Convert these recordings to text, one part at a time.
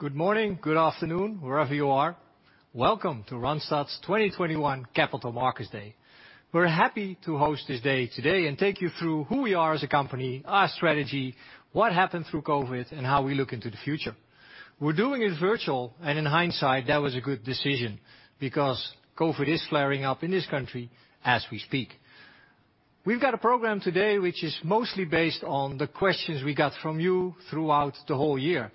Good morning, good afternoon, wherever you are. Welcome to Randstad's 2021 Capital Markets Day. We're happy to host this day today and take you through who we are as a company, our strategy, what happened through COVID, and how we look into the future. We're doing it virtual, and in hindsight, that was a good decision because COVID is flaring up in this country as we speak. We've got a program today which is mostly based on the questions we got from you throughout the whole year.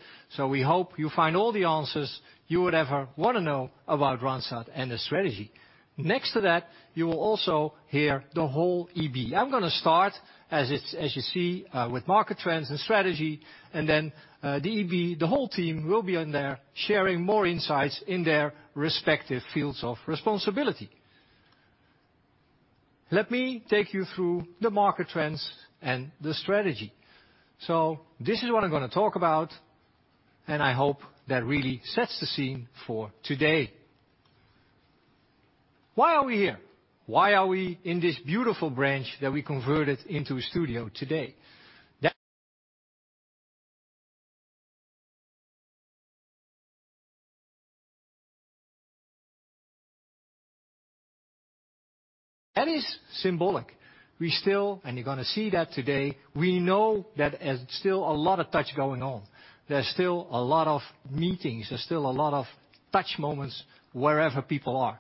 We hope you find all the answers you would ever wanna know about Randstad and the strategy. Next to that, you will also hear the whole EB. I'm gonna start with market trends and strategy, and then, the EB, the whole team, will be in there, sharing more insights in their respective fields of responsibility. Let me take you through the market trends and the strategy. This is what I'm gonna talk about, and I hope that really sets the scene for today. Why are we here? Why are we in this beautiful branch that we converted into a studio today? That is symbolic. We still, and you're gonna see that today, we know that there's still a lot of touch going on. There are still a lot of meetings. There are still a lot of touching moments wherever people are.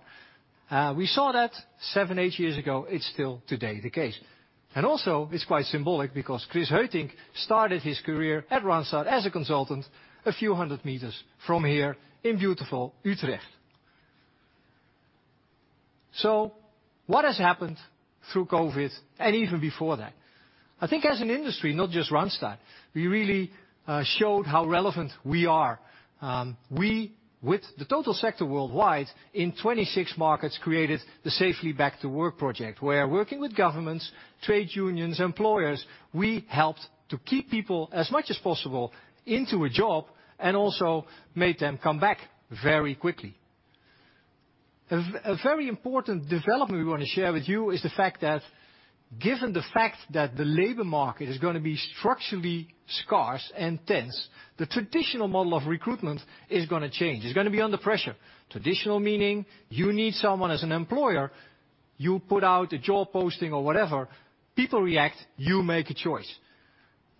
We saw that seven, eight years ago. It's still the case today. Also, it's quite symbolic because Chris Heutink started his career at Randstad as a consultant a few hundred meters from here in beautiful Utrecht. What has happened through COVID and even before that? I think as an industry, not just Randstad, we really showed how relevant we are. We, with the total sector worldwide in 26 markets, created the Safely Back to Work project, where working with governments, trade unions, employers, we helped to keep people as much as possible into a job and also made them come back very quickly. A very important development we wanna share with you is the fact that given the fact that the labor market is gonna be structurally scarce and tense, the traditional model of recruitment is gonna change. It's gonna be under pressure. Traditional meaning you need someone as an employer, you put out a job posting or whatever, people react, you make a choice.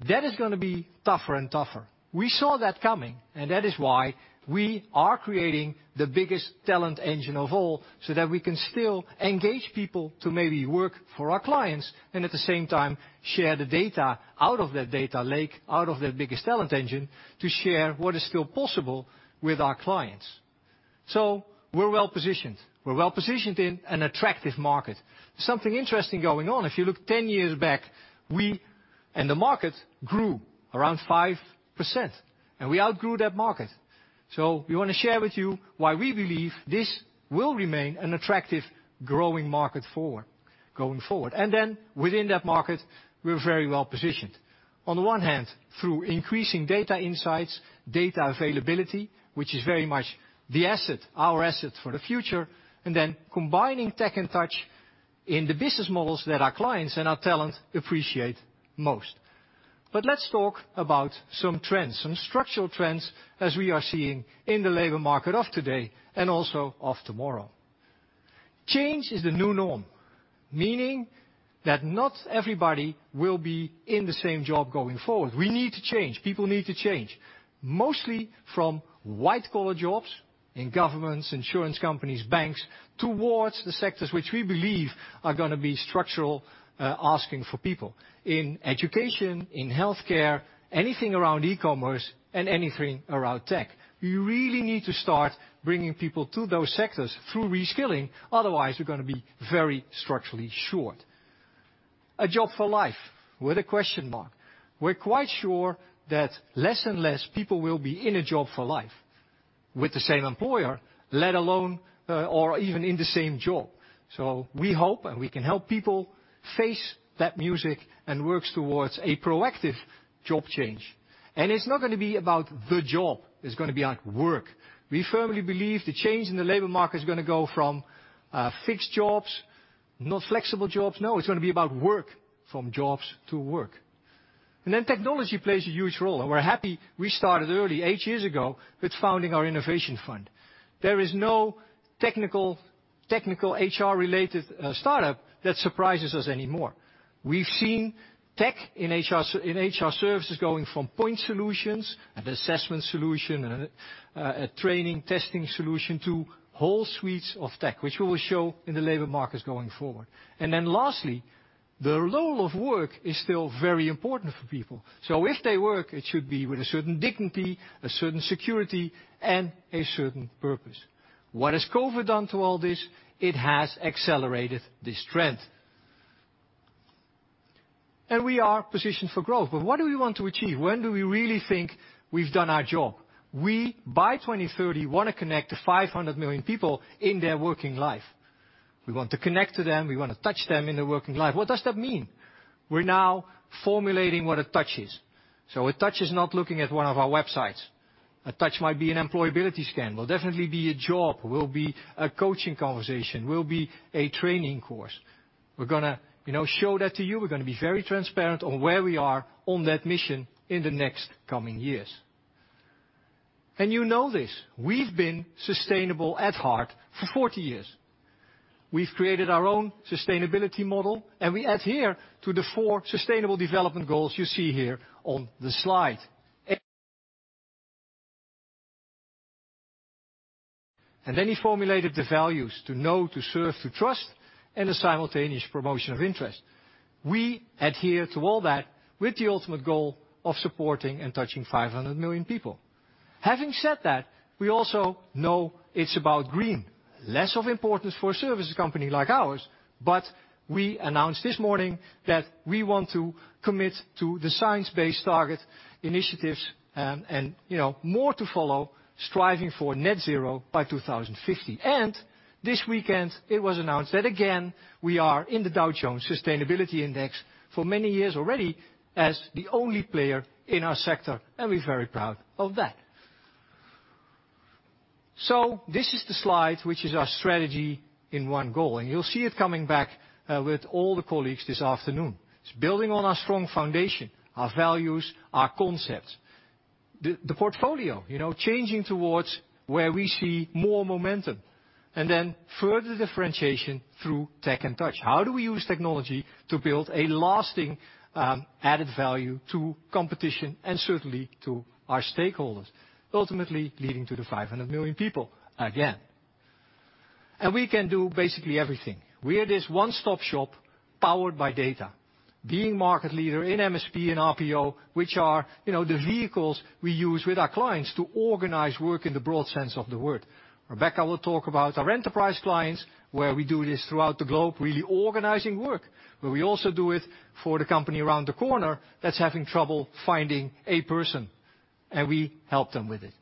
That is gonna be tougher and tougher. We saw that coming, and that is why we are creating the biggest talent engine of all so that we can still engage people to maybe work for our clients, and at the same time, share the data out of that data lake, out of that biggest talent engine to share what is still possible with our clients. We're well positioned. We're well positioned in an attractive market. Something interesting is going on. If you look 10 years back, we and the market grew around 5%, and we outgrew that market. We wanna share with you why we believe this will remain an attractive, growing market forward. Within that market, we're very well positioned. On the one hand, through increasing data insights, data availability, which is very much the asset, our asset for the future, and then combining tech and touch in the business models that our clients and our talent appreciate most. Let's talk about some trends, some structural trends as we are seeing in the labor market of today and also of tomorrow. Change is the new norm, meaning that not everybody will be in the same job going forward. We need to change. People need to change. Mostly from white-collar jobs in governments, insurance companies, banks, towards the sectors which we believe are gonna be structural, asking for people in education, in healthcare, anything around e-commerce and anything around tech. You really need to start bringing people to those sectors through reskilling, otherwise you're gonna be very structurally short. A job for life with a question mark. We're quite sure that less and less people will be in a job for life with the same employer, let alone, or even in the same job. We hope and we can help people face the music and work towards a proactive job change. It's not gonna be about the job. It's gonna be about work. We firmly believe the change in the labor market is gonna go from fixed jobs, not flexible jobs. No, it's gonna be about work, from jobs to work. Then technology plays a huge role, and we're happy we started early, 8 years ago, with founding our innovation fund. There is no technical HR-related startup that surprises us anymore. We've seen tech in HR services going from point solutions, an assessment solution, and a training testing solution to whole suites of tech, which we will show in the labor markets going forward. Lastly, the role of work is still very important for people. If they work, it should be with a certain dignity, a certain security, and a certain purpose. What has COVID done to all this? It has accelerated this trend. We are positioned for growth, but what do we want to achieve? When do we really think we've done our job? We, by 2030, wanna connect to 500 million people in their working life. We want to connect to them. We wanna touch them in their working life. What does that mean? We're now formulating what a touch is. A touch is not looking at one of our websites. A touch might be an employability scan, will definitely be a job, will be a coaching conversation, will be a training course. We're gonna, show that to you. We're gonna be very transparent on where we are on that mission in the next coming years. this, we've been sustainable at heart for 40 years. We've created our own sustainability model, and we adhere to the four Sustainable Development Goals you see here on the slide. He formulated the values to know, to serve, to trust, and the simultaneous promotion of interests. We adhere to all that with the ultimate goal of supporting and touching 500 million people. Having said that, we also know it's about green. Less of importance for a service company like ours, but we announced this morning that we want to commit to the Science Based Targets initiative and more to follow striving for net zero by 2050. This weekend it was announced that again, we are in the Dow Jones Sustainability Index for many years already as the only player in our sector, and we're very proud of that. This is the slide, which is our strategy in one goal, and you'll see it coming back with all the colleagues this afternoon. It's building on our strong foundation, our values, our concepts. The portfolio, changing towards where we see more momentum, and then further differentiation through tech and touch. How do we use technology to build a lasting added value to competition and certainly to our stakeholders, ultimately leading to the 500 million people, again? We can do basically everything. We are this one-stop shop powered by data. Being market leader in MSP and RPO, which are, the vehicles we use with our clients to organize work in the broad sense of the word. Rebecca will talk about our enterprise clients, where we do this throughout the globe, really organizing work. We also do it for the company around the corner that's having trouble finding a person, and we help them with it.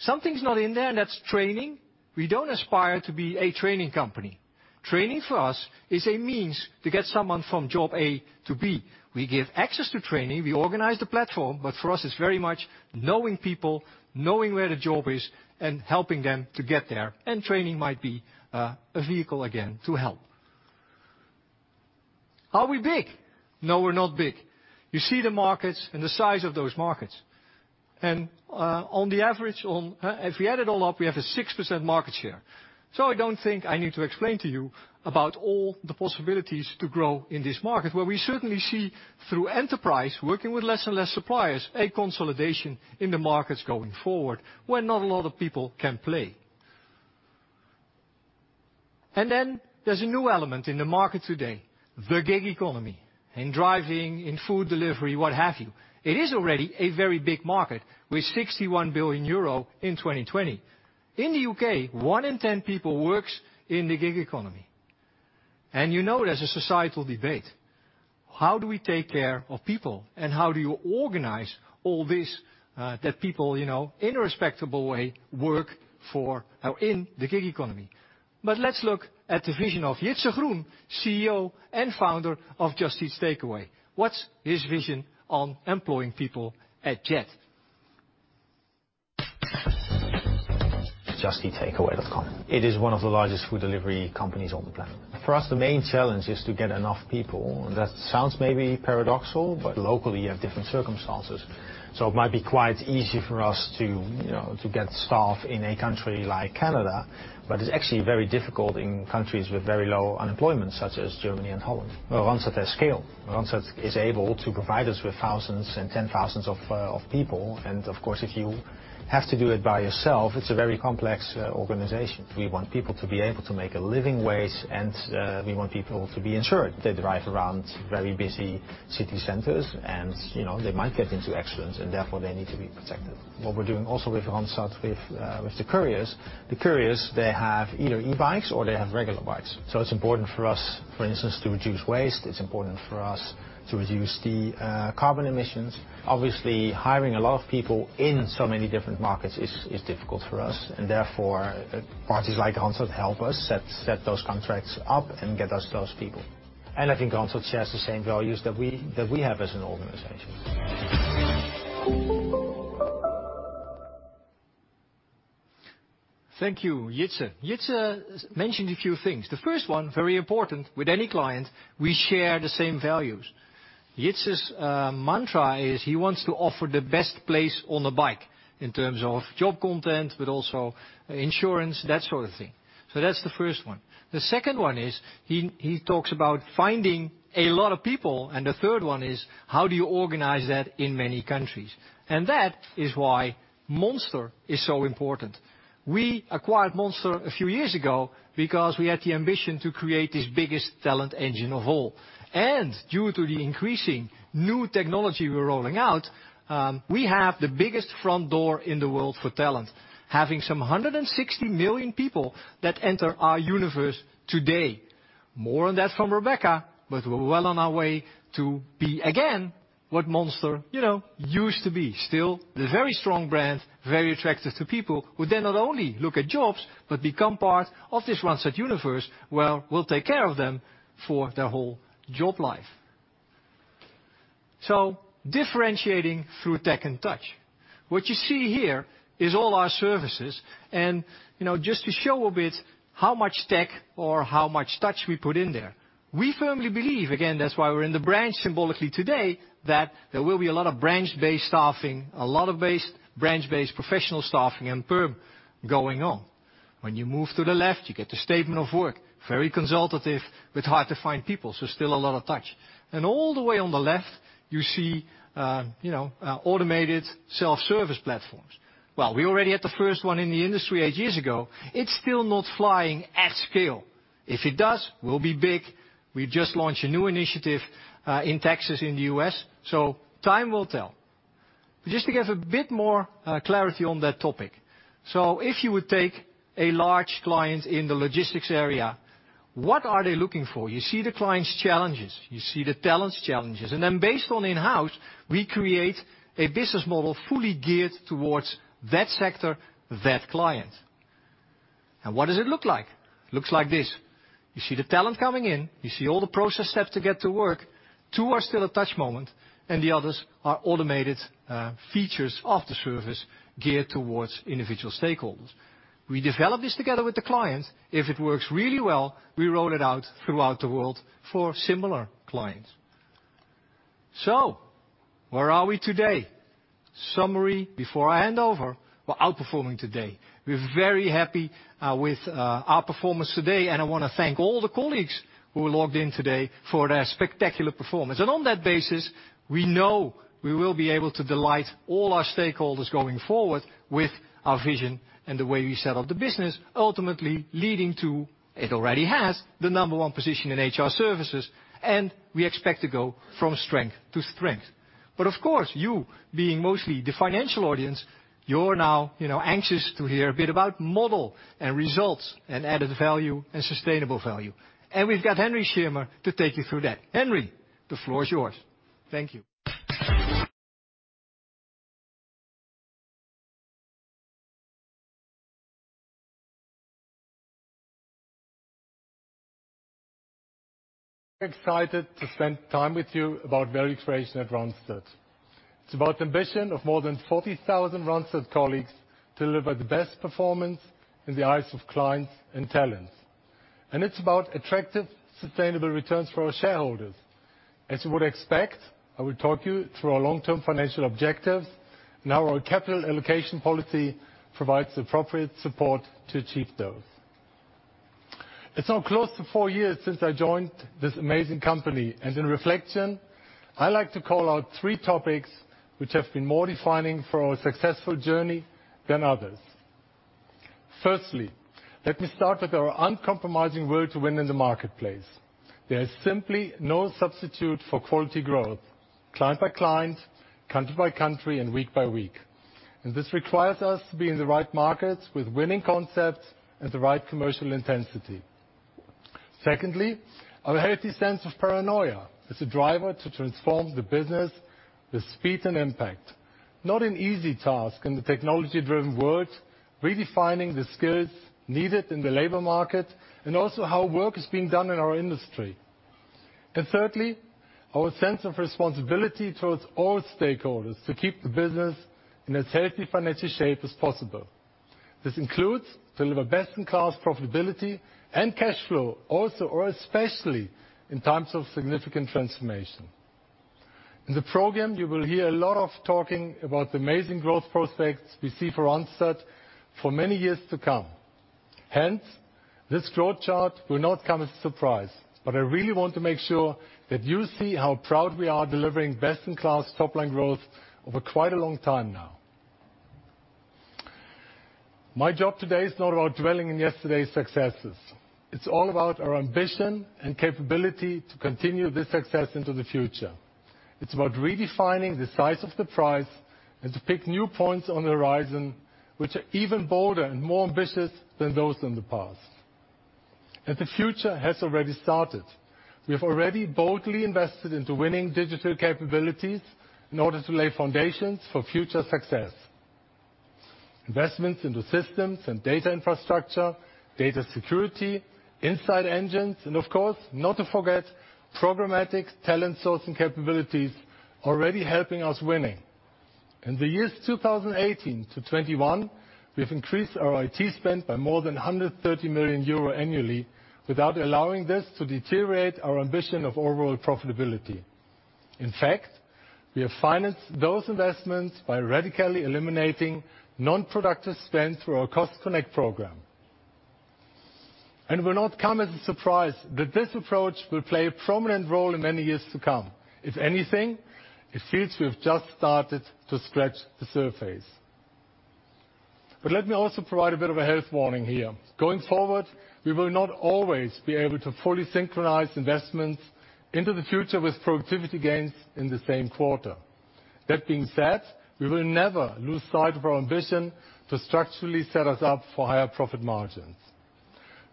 Something's not in there, and that's training. We don't aspire to be a training company. Training for us is a means to get someone from job A to B. We give access to training, we organize the platform, but for us it's very much knowing people, knowing where the job is, and helping them to get there, and training might be a vehicle again to help. Are we big? No, we're not big. You see the markets and the size of those markets. On average, if we add it all up, we have a 6% market share. I don't think I need to explain to you about all the possibilities to grow in this market. We certainly see through enterprise, working with less and less suppliers, a consolidation in the markets going forward where not a lot of people can play. Then there's a new element in the market today, the gig economy. In driving, in food delivery, what have you. It is already a very big market with 61 billion euro in 2020. In the U.K., one in ten people works in the gig economy. there's a societal debate. How do we take care of people, and how do you organize all this, that people, in a respectable way work for or in the gig economy? Let's look at the vision of Jitse Groen, CEO and founder of Just Eat Takeaway.com. What's his vision on employing people at Just Eat? justeattakeaway.com. It is one of the largest food delivery companies on the planet. For us, the main challenge is to get enough people. That sounds maybe paradoxical, but locally you have different circumstances. It might be quite easy for us to get staff in a country like Canada, but it's actually very difficult in countries with very low unemployment, such as Germany and Holland. Randstad has scale. Randstad is able to provide us with thousands and tens of thousands of people. Of course, if you have to do it by yourself, it's a very complex organization. We want people to be able to make a living wage, and we want people to be insured. They drive around very busy city centers and, they might get into accidents and therefore, they need to be protected. What we're doing also with Randstad with the couriers. The couriers, they have either e-bikes or they have regular bikes. It's important for us, for instance, to reduce waste. It's important for us to reduce the carbon emissions. Obviously, hiring a lot of people in so many different markets is difficult for us and therefore parties like Randstad help us set those contracts up and get us those people. I think Randstad shares the same values that we have as an organization. Thank you, Jitse. Jitse mentioned a few things. The first one, very important with any client, we share the same values. Jitse's mantra is he wants to offer the best place on a bike in terms of job content, but also insurance, that sort of thing. That's the first one. The second one is he talks about finding a lot of people, and the third one is how do you organize that in many countries? That is why Monster is so important. We acquired Monster a few years ago because we had the ambition to create this biggest talent engine of all. Due to the increasing new technology we're rolling out, we have the biggest front door in the world for talent, having some 160 million people that enter our universe today. More on that from Rebecca, but we're well on our way to be again what Monster, used to be. Still the very strong brand, very attractive to people who then not only look at jobs, but become part of this Randstad universe where we'll take care of them for their whole job life. Differentiating through tech and touch. What you see here is all our services and, just to show a bit how much tech or how much touch we put in there. We firmly believe, again, that's why we're in the branch symbolically today, that there will be a lot of branch-based staffing, a lot of base, branch-based professional staffing and perm going on. When you move to the left, you get the statement of work, very consultative with hard to find people, so still a lot of touch. All the way on the left, you see automated self-service platforms. Well, we already had the first one in the industry eight years ago. It's still not flying at scale. If it does, we'll be big. We just launched a new initiative in Texas in the U.S., so time will tell. But just to give a bit more clarity on that topic. If you would take a large client in the logistics area, what are they looking for? You see the client's challenges, you see the talent's challenges, and then based on in-house, we create a business model fully geared towards that sector, that client. What does it look like? Looks like this. You see the talent coming in, all the process steps to get to work. Two are still touch moments, and the others are automated features of the service geared towards individual stakeholders. We develop this together with the client. If it works really well, we roll it out throughout the world for similar clients. Where are we today? This is a summary before I hand over. We're outperforming today. We're very happy with our performance today, and I wanna thank all the colleagues who logged in today for their spectacular performance. On that basis, we know we will be able to delight all our stakeholders going forward with our vision and the way we set up the business, ultimately leading to, it already has, the number one position in HR services, and we expect to go from strength to strength. Of course, you being mostly the financial audience, you're now, anxious to hear a bit about model and results and added value and sustainable value. We've got Henry Schirmer to take you through that. Henry, the floor is yours. Thank you. Excited to spend time with you about value creation at Randstad. It's about ambition of more than 40,000 Randstad colleagues to deliver the best performance in the eyes of clients and talents. It's about attractive, sustainable returns for our shareholders. As you would expect, I will talk you through our long-term financial objectives, and how our capital allocation policy provides the appropriate support to achieve those. It's now close to four years since I joined this amazing company, and in reflection, I like to call out three topics which have been more defining for our successful journey than others. Firstly, let me start with our uncompromising will to win in the marketplace. There is simply no substitute for quality growth, client by client, country by country, and week by week. This requires us to be in the right markets with winning concepts and the right commercial intensity. Secondly, our healthy sense of paranoia. It's a driver to transform the business with speed and impact. Not an easy task in the technology-driven world, redefining the skills needed in the labor market, and also how work is being done in our industry. Thirdly, our sense of responsibility towards all stakeholders to keep the business in as healthy financial shape as possible. This includes delivering best-in-class profitability and cash flow also or especially in times of significant transformation. In the program, you will hear a lot of talking about the amazing growth prospects we see for Randstad for many years to come. Hence, this growth chart will not come as a surprise, but I really want to make sure that you see how proud we are delivering best-in-class top-line growth over quite a long time now. My job today is not about dwelling in yesterday's successes. It's all about our ambition and capability to continue this success into the future. It's about redefining the size of the prize and to pick new points on the horizon which are even bolder and more ambitious than those in the past. The future has already started. We have already boldly invested into winning digital capabilities in order to lay foundations for future success. Investments into systems and data infrastructure, data security, AI engines, and of course, not to forget, programmatic talent sourcing capabilities already helping us winning. In the years 2018 to 2021, we've increased our IT spend by more than 130 million euro annually without allowing this to deteriorate our ambition of overall profitability. In fact, we have financed those investments by radically eliminating non-productive spend through our Cost Connect program. It will not come as a surprise that this approach will play a prominent role in many years to come. If anything, it feels we have just started to scratch the surface. Let me also provide a bit of a health warning here. Going forward, we will not always be able to fully synchronize investments into the future with productivity gains in the same quarter. That being said, we will never lose sight of our ambition to structurally set us up for higher profit margins.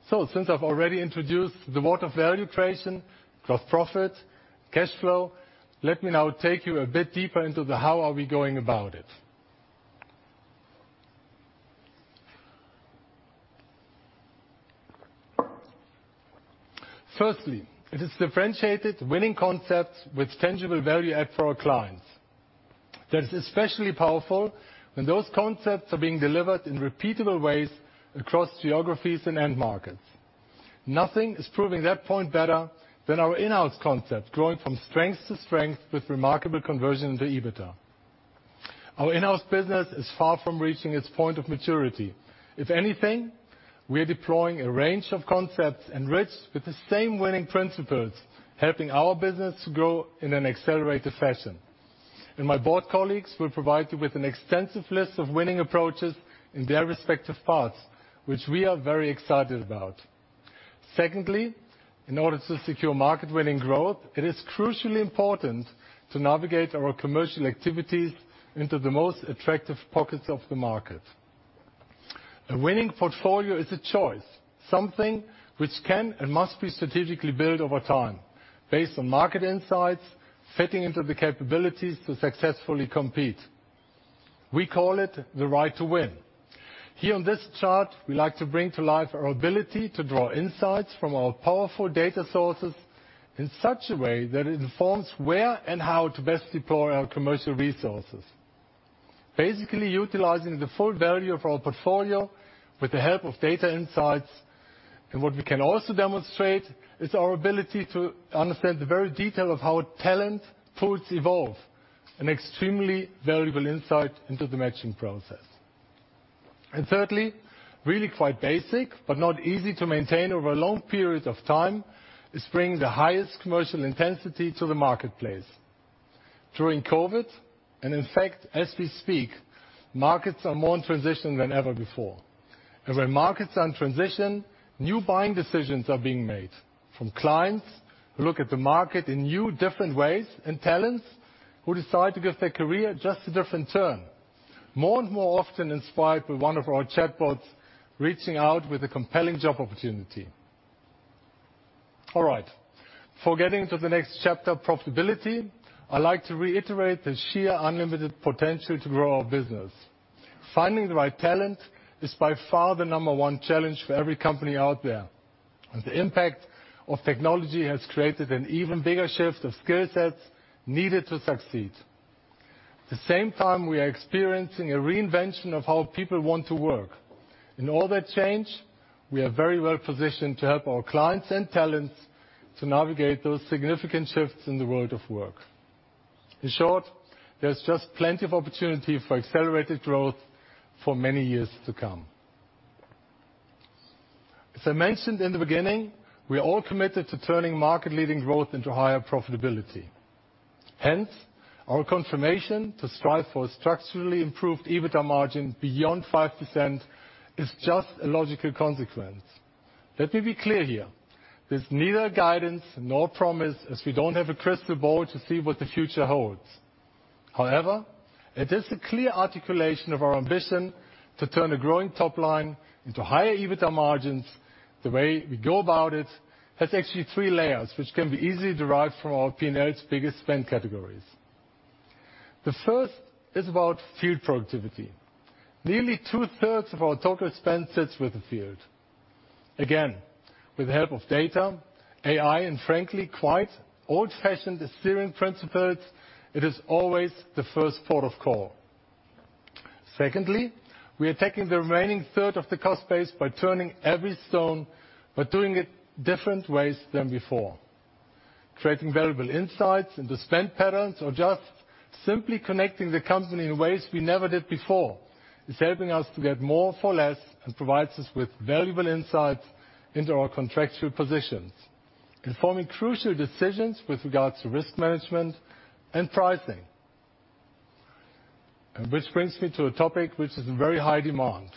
Since I've already introduced the world of value creation, plus profit, cash flow, let me now take you a bit deeper into the how we are going about it. Firstly, it is differentiated winning concepts with tangible value add for our clients. That is especially powerful when those concepts are being delivered in repeatable ways across geographies and end markets. Nothing is proving that point better than our in-house concept growing from strength to strength with remarkable conversion into EBITDA. Our in-house business is far from reaching its point of maturity. If anything, we are deploying a range of concepts enriched with the same winning principles, helping our business to grow in an accelerated fashion. My board colleagues will provide you with an extensive list of winning approaches in their respective parts, which we are very excited about. Secondly, in order to secure market-winning growth, it is crucially important to navigate our commercial activities into the most attractive pockets of the market. A winning portfolio is a choice, something which can and must be strategically built over time based on market insights, fitting into the capabilities to successfully compete. We call it the right to win. Here on this chart, we like to bring to life our ability to draw insights from our powerful data sources in such a way that it informs where and how to best deploy our commercial resources, basically, utilizing the full value of our portfolio with the help of data insights. What we can also demonstrate is our ability to understand the very detail of how talent pools evolve, an extremely valuable insight into the matching process. Thirdly, really quite basic, but not easy to maintain over long periods of time, is bringing the highest commercial intensity to the marketplace. During COVID, and in fact, as we speak, markets are more in transition than ever before. When markets are in transition, new buying decisions are being made from clients who look at the market in new, different ways, and talents who decide to give their career just a different turn, more and more often inspired by one of our chatbots reaching out with a compelling job opportunity. All right. Before getting to the next chapter, profitability, I like to reiterate the sheer unlimited potential to grow our business. Finding the right talent is by far the number one challenge for every company out there. The impact of technology has created an even bigger shift of skill sets needed to succeed. At the same time, we are experiencing a reinvention of how people want to work. In all that change, we are very well positioned to help our clients and talents to navigate those significant shifts in the world of work. In short, there's just plenty of opportunity for accelerated growth for many years to come. As I mentioned in the beginning, we are all committed to turning market leading growth into higher profitability. Hence, our confirmation to strive for structurally improved EBITDA margin beyond 5% is just a logical consequence. Let me be clear here. There's neither guidance nor promise as we don't have a crystal ball to see what the future holds. However, it is a clear articulation of our ambition to turn a growing top line into higher EBITDA margins. The way we go about it has actually three layers, which can be easily derived from our P&L's biggest spend categories. The first is about field productivity. Nearly two-thirds of our total spend sits with the field. Again, with the help of data, AI, and frankly, quite old-fashioned steering principles, it is always the first port of call. Secondly, we are taking the remaining third of the cost base by turning every stone, but doing it different ways than before. Creating valuable insights into spend patterns or just simply connecting the company in ways we never did before is helping us to get more for less and provides us with valuable insight into our contractual positions, informing crucial decisions with regards to risk management and pricing. Which brings me to a topic which is in very high demand,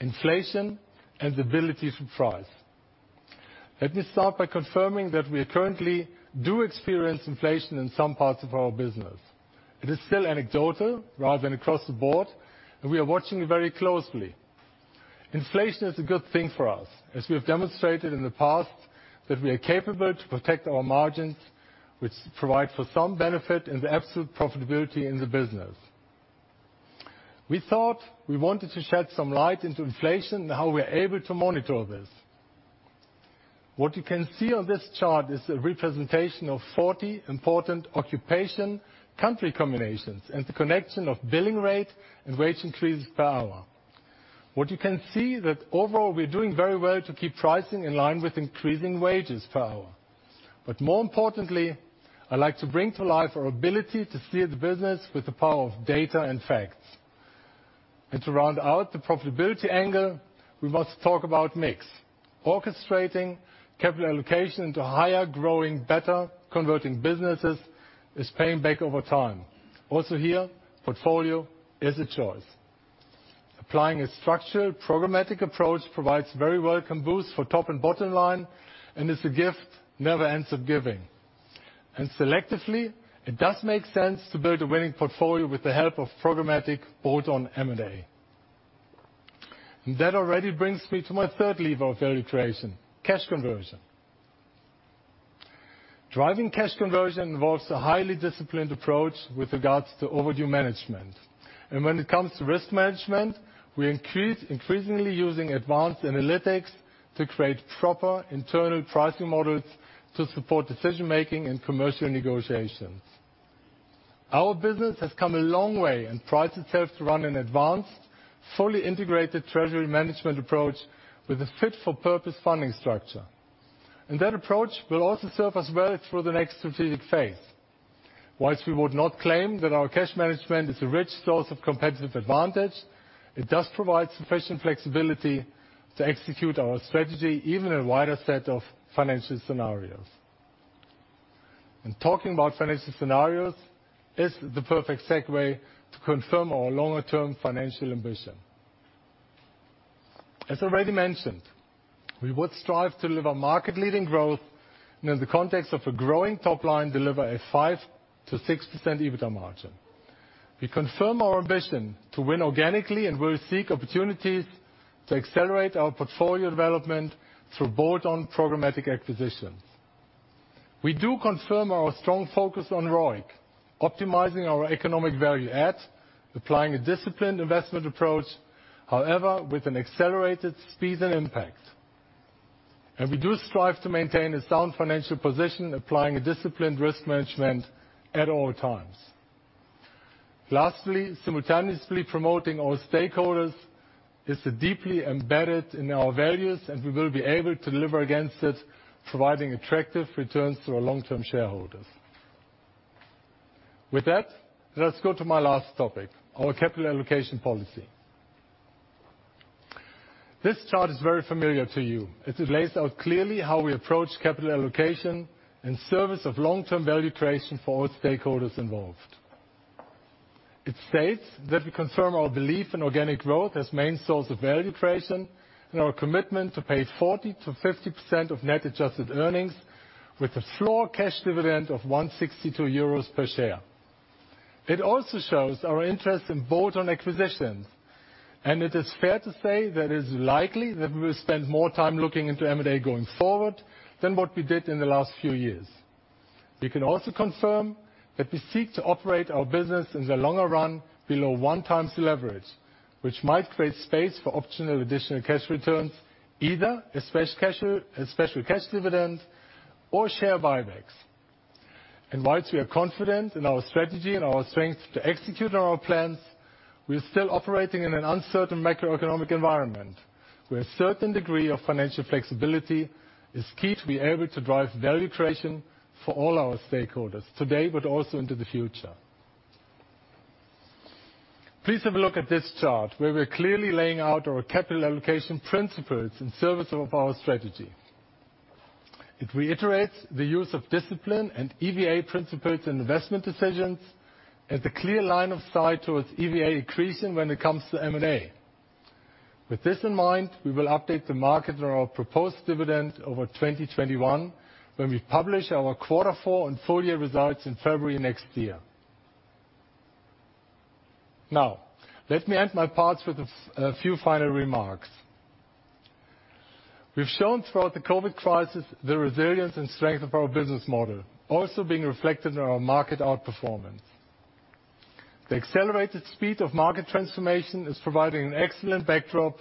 inflation and the ability to price. Let me start by confirming that we currently do experience inflation in some parts of our business. It is still anecdotal rather than across the board, and we are watching it very closely. Inflation is a good thing for us, as we have demonstrated in the past that we are capable to protect our margins, which provide for some benefit in the absolute profitability in the business. We thought we wanted to shed some light into inflation and how we are able to monitor this. What you can see on this chart is a representation of 40 important occupation-country combinations and the connection of billing rate and wage increases per hour. What you can see that overall, we're doing very well to keep pricing in line with increasing wages per hour. But more importantly, I like to bring to life our ability to steer the business with the power of data and facts. To round out the profitability angle, we must talk about mix. Orchestrating capital allocation into higher-growing, better converting businesses is paying back over time. Also here, portfolio is a choice. Applying a structural programmatic approach provides very welcome boost for top and bottom line, and it's a gift never ends up giving. Selectively, it does make sense to build a winning portfolio with the help of programmatic bolt-on M&A. That already brings me to my third lever of value creation, cash conversion. Driving cash conversion involves a highly disciplined approach with regards to overdue management. When it comes to risk management, we increasingly using advanced analytics to create proper internal pricing models to support decision-making and commercial negotiations. Our business has come a long way and prides itself to run an advanced, fully integrated treasury management approach with a fit-for-purpose funding structure. That approach will also serve us well through the next strategic phase. While we would not claim that our cash management is a rich source of competitive advantage, it does provide sufficient flexibility to execute our strategy, even in a wider set of financial scenarios. Talking about financial scenarios is the perfect segue to confirm our longer term financial ambition. As already mentioned, we would strive to deliver market-leading growth and in the context of a growing top line, deliver a 5%-6% EBITDA margin. We confirm our ambition to win organically and will seek opportunities to accelerate our portfolio development through bolt-on programmatic acquisitions. We do confirm our strong focus on ROIC, optimizing our economic value add, applying a disciplined investment approach, however, with an accelerated speed and impact. We do strive to maintain a sound financial position, applying a disciplined risk management at all times. Lastly, simultaneously promoting our stakeholders is deeply embedded in our values, and we will be able to deliver against it, providing attractive returns to our long-term shareholders. With that, let's go to my last topic, our capital allocation policy. This chart is very familiar to you. It lays out clearly how we approach capital allocation in service of long-term value creation for all stakeholders involved. It states that we confirm our belief in organic growth as main source of value creation and our commitment to pay 40%-50% of net adjusted earnings with a floor cash dividend of 1.62 euros per share. It also shows our interest in bolt-on acquisitions, and it is fair to say that it is likely that we will spend more time looking into M&A going forward than what we did in the last few years. We can also confirm that we seek to operate our business in the longer run below 1x leverage, which might create space for optional additional cash returns, either a special cash dividend or share buybacks. While we are confident in our strategy and our strength to execute on our plans, we are still operating in an uncertain macroeconomic environment, where a certain degree of financial flexibility is key to be able to drive value creation for all our stakeholders today, but also into the future. Please have a look at this chart where we're clearly laying out our capital allocation principles in service of our strategy. It reiterates the use of discipline and EVA principles in investment decisions and a clear line of sight towards EVA increasing when it comes to M&A. With this in mind, we will update the market on our proposed dividend over 2021 when we publish our quarter four and full year results in February next year. Now, let me end my part with a few final remarks. We've shown throughout the COVID crisis the resilience and strength of our business model also being reflected in our market outperformance. The accelerated speed of market transformation is providing an excellent backdrop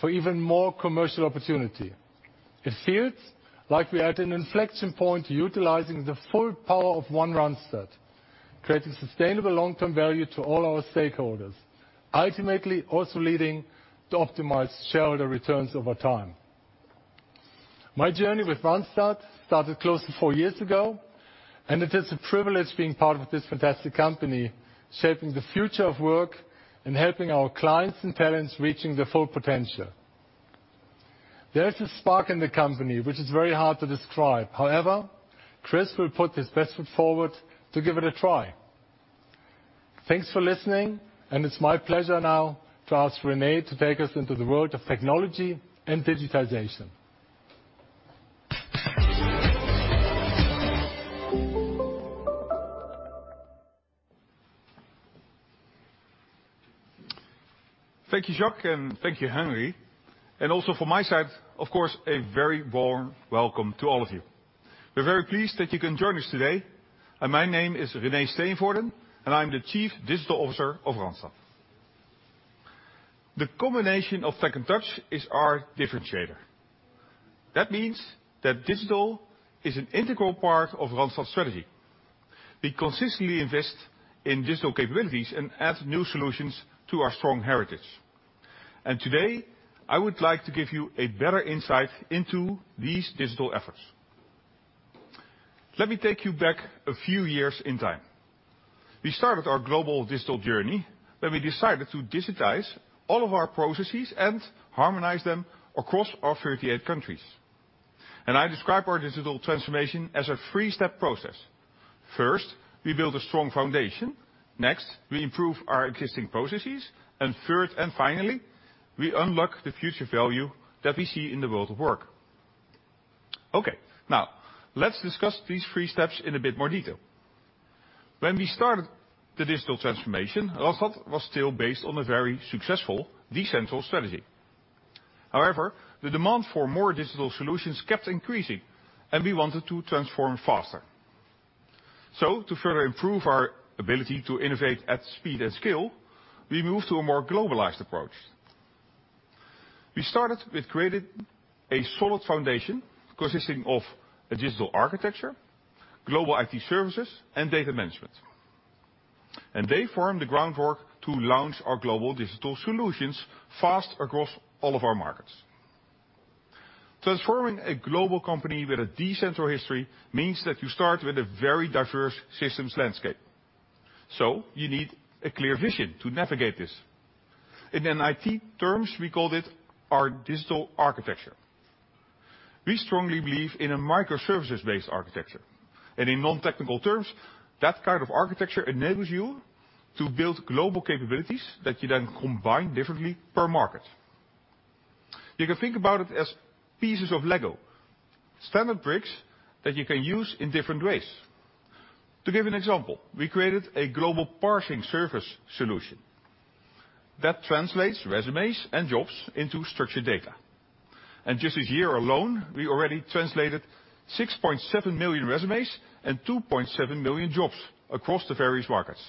for even more commercial opportunity. It feels like we are at an inflection point, utilizing the full power of One Randstad, creating sustainable long-term value to all our stakeholders, ultimately also leading to optimized shareholder returns over time. My journey with Randstad started close to four years ago, and it is a privilege to be part of this fantastic company, shaping the future of work and helping our clients and talents reach their full potential. There is a spark in the company that is very hard to describe. However, Chris will put his best foot forward to give it a try. Thanks for listening, and it's my pleasure now to ask René to take us into the world of technology and digitization. Thank you, Jacques, and thank you, Henry. Also, from my side, of course, a very warm welcome to all of you. We're very pleased that you can join us today. My name is René Steenvoorden, and I'm the Chief Digital Officer of Randstad. The combination of tech and touch is our differentiator. That means that digital is an integral part of Randstad's strategy. We consistently invest in digital capabilities and add new solutions to our strong heritage. Today, I would like to give you a better insight into these digital efforts. Let me take you back a few years in time. We started our global digital journey when we decided to digitize all of our processes and harmonize them across our 38 countries. I describe our digital transformation as a three-step process. First, we build a strong foundation. Next, we improve our existing processes. Third, and finally, we unlock the future value that we see in the world of work. Okay. Now, let's discuss these three steps in a bit more detail. When we started the digital transformation, Randstad was still based on a very successful decentralized strategy. However, the demand for more digital solutions kept increasing, and we wanted to transform faster. To further improve our ability to innovate at speed and scale, we moved to a more globalized approach. We started with creating a solid foundation consisting of a digital architecture, global IT services, and data management. They formed the groundwork to launch our global digital solutions fast across all of our markets. Transforming a global company with a decentralized history means that you start with a very diverse systems landscape, so you need a clear vision to navigate this. In IT terms, we called it our digital architecture. We strongly believe in a microservices-based architecture, and in non-technical terms, that kind of architecture enables you to build global capabilities that you then combine differently per market. You can think about it as pieces of Lego, standard bricks that you can use in different ways. To give an example, we created a global parsing service solution that translates resumes and jobs into structured data. Just this year alone, we already translated 6.7 million resumes and 2.7 million jobs across the various markets.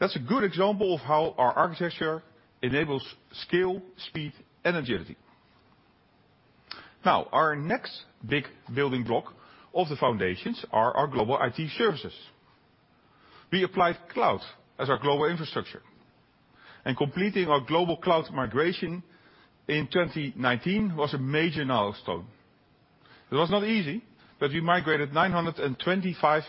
That's a good example of how our architecture enables scale, speed, and agility. Now, our next big building block of the foundations are our global IT services. We applied cloud as our global infrastructure, and completing our global cloud migration in 2019 was a major milestone. It was not easy, but we migrated 925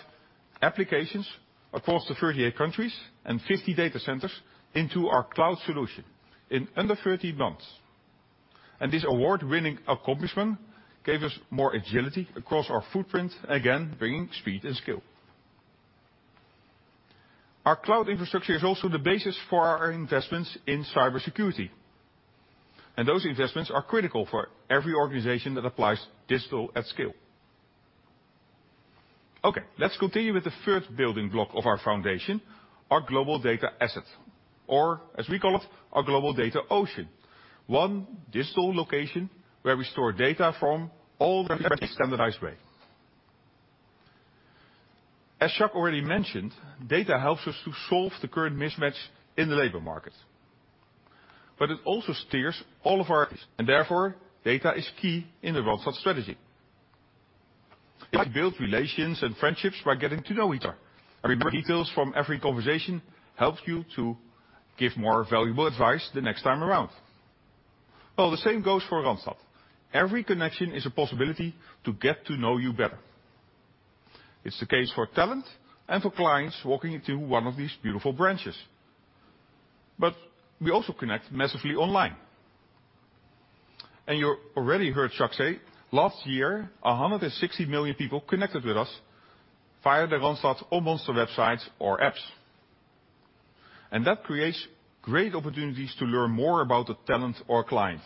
applications across the 38 countries and 50 data centers into our cloud solution in under 30 months. This award-winning accomplishment gave us more agility across our footprint, again, bringing speed and scale. Our cloud infrastructure is also the basis for our investments in cybersecurity, and those investments are critical for every organization that applies digital at scale. Okay, let's continue with the third building block of our foundation, our global data asset, or, as we call it, our global data ocean. One digital location where we store data in a standardized way. As Jacques already mentioned, data helps us to solve the current mismatch in the labor market. But it also steers all of our. Therefore data is key in the Randstad strategy. To build relations and friendships by getting to know each other. Remember details from every conversation helps you to give more valuable advice the next time around. Well, the same goes for Randstad. Every connection is a possibility to get to know you better. It's the case for talent and for clients walking into one of these beautiful branches. We also connect massively online. You already heard Jacques say last year, 160 million people connected with us via the Randstad or Monster websites or apps. That creates great opportunities to learn more about the talent or client.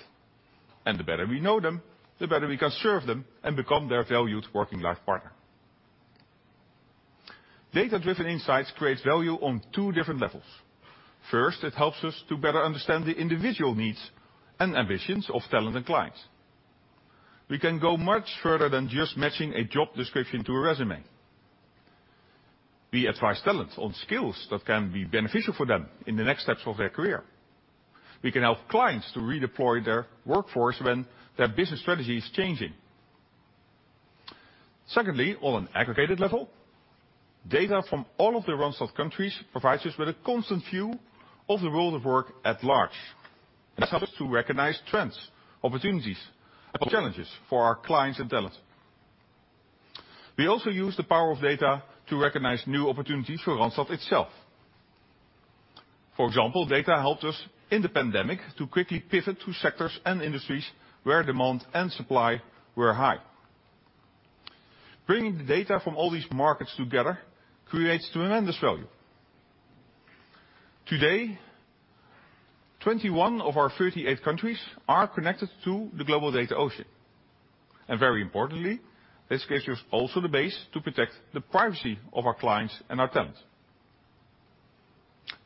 The better we know them, the better we can serve them and become their valued working life partner. Data-driven insights creates value on two different levels. First, it helps us to better understand the individual needs and ambitions of talent and clients. We can go much further than just matching a job description to a resume. We advise talent on skills that can be beneficial for them in the next steps of their career. We can help clients to redeploy their workforce when their business strategy is changing. Secondly, on an aggregated level, data from all of the Randstad countries provides us with a constant view of the world of work at large. It helps us to recognize trends, opportunities, and challenges for our clients and talent. We also use the power of data to recognize new opportunities for Randstad itself. For example, data helped us in the pandemic to quickly pivot to sectors and industries where demand and supply were high. Bringing the data from all these markets together creates tremendous value. Today, 21 of our 38 countries are connected to the Global Data Ocean. Very importantly, this gives us also the base to protect the privacy of our clients and our talent.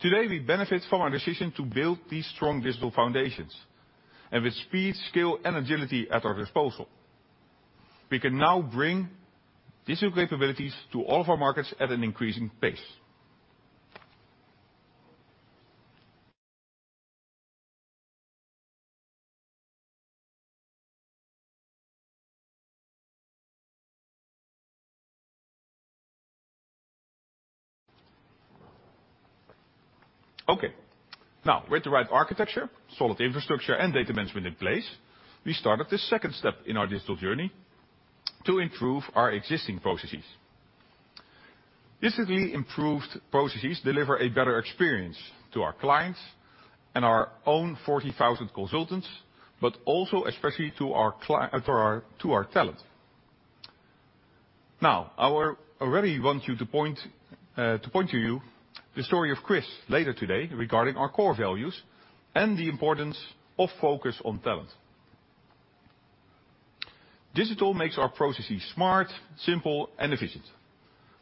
Today, we benefit from our decision to build these strong digital foundations and with speed, scale, and agility at our disposal. We can now bring digital capabilities to all of our markets at an increasing pace. Okay. Now, with the right architecture, solid infrastructure, and data management in place, we started the second step in our digital journey to improve our existing processes. Digitally improved processes deliver a better experience to our clients and our own 40,000 consultants, but also especially to our talent. Now, I already want to point out to you the story of Chris later today regarding our core values and the importance of focus on talent. Digital makes our processes smart, simple, and efficient.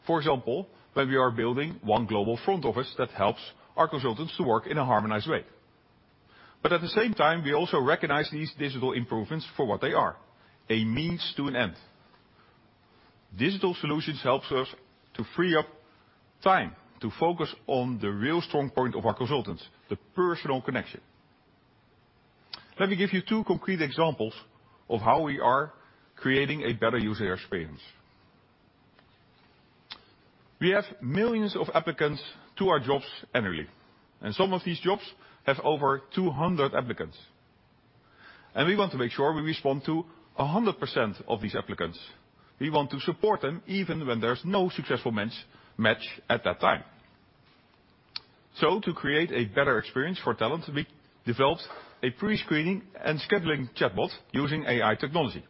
For example, when we are building one global front office that helps our consultants to work in a harmonized way. At the same time, we also recognize these digital improvements for what they are, a means to an end. Digital solutions helps us to free up time to focus on the real strong point of our consultants, the personal connection. Let me give you two concrete examples of how we are creating a better user experience. We have millions of applicants to our jobs annually, and some of these jobs have over 200 applicants. We want to make sure we respond to 100% of these applicants. We want to support them even when there's no successful match at that time. To create a better experience for talent, we developed a pre-screening and scheduling chatbot using AI technology.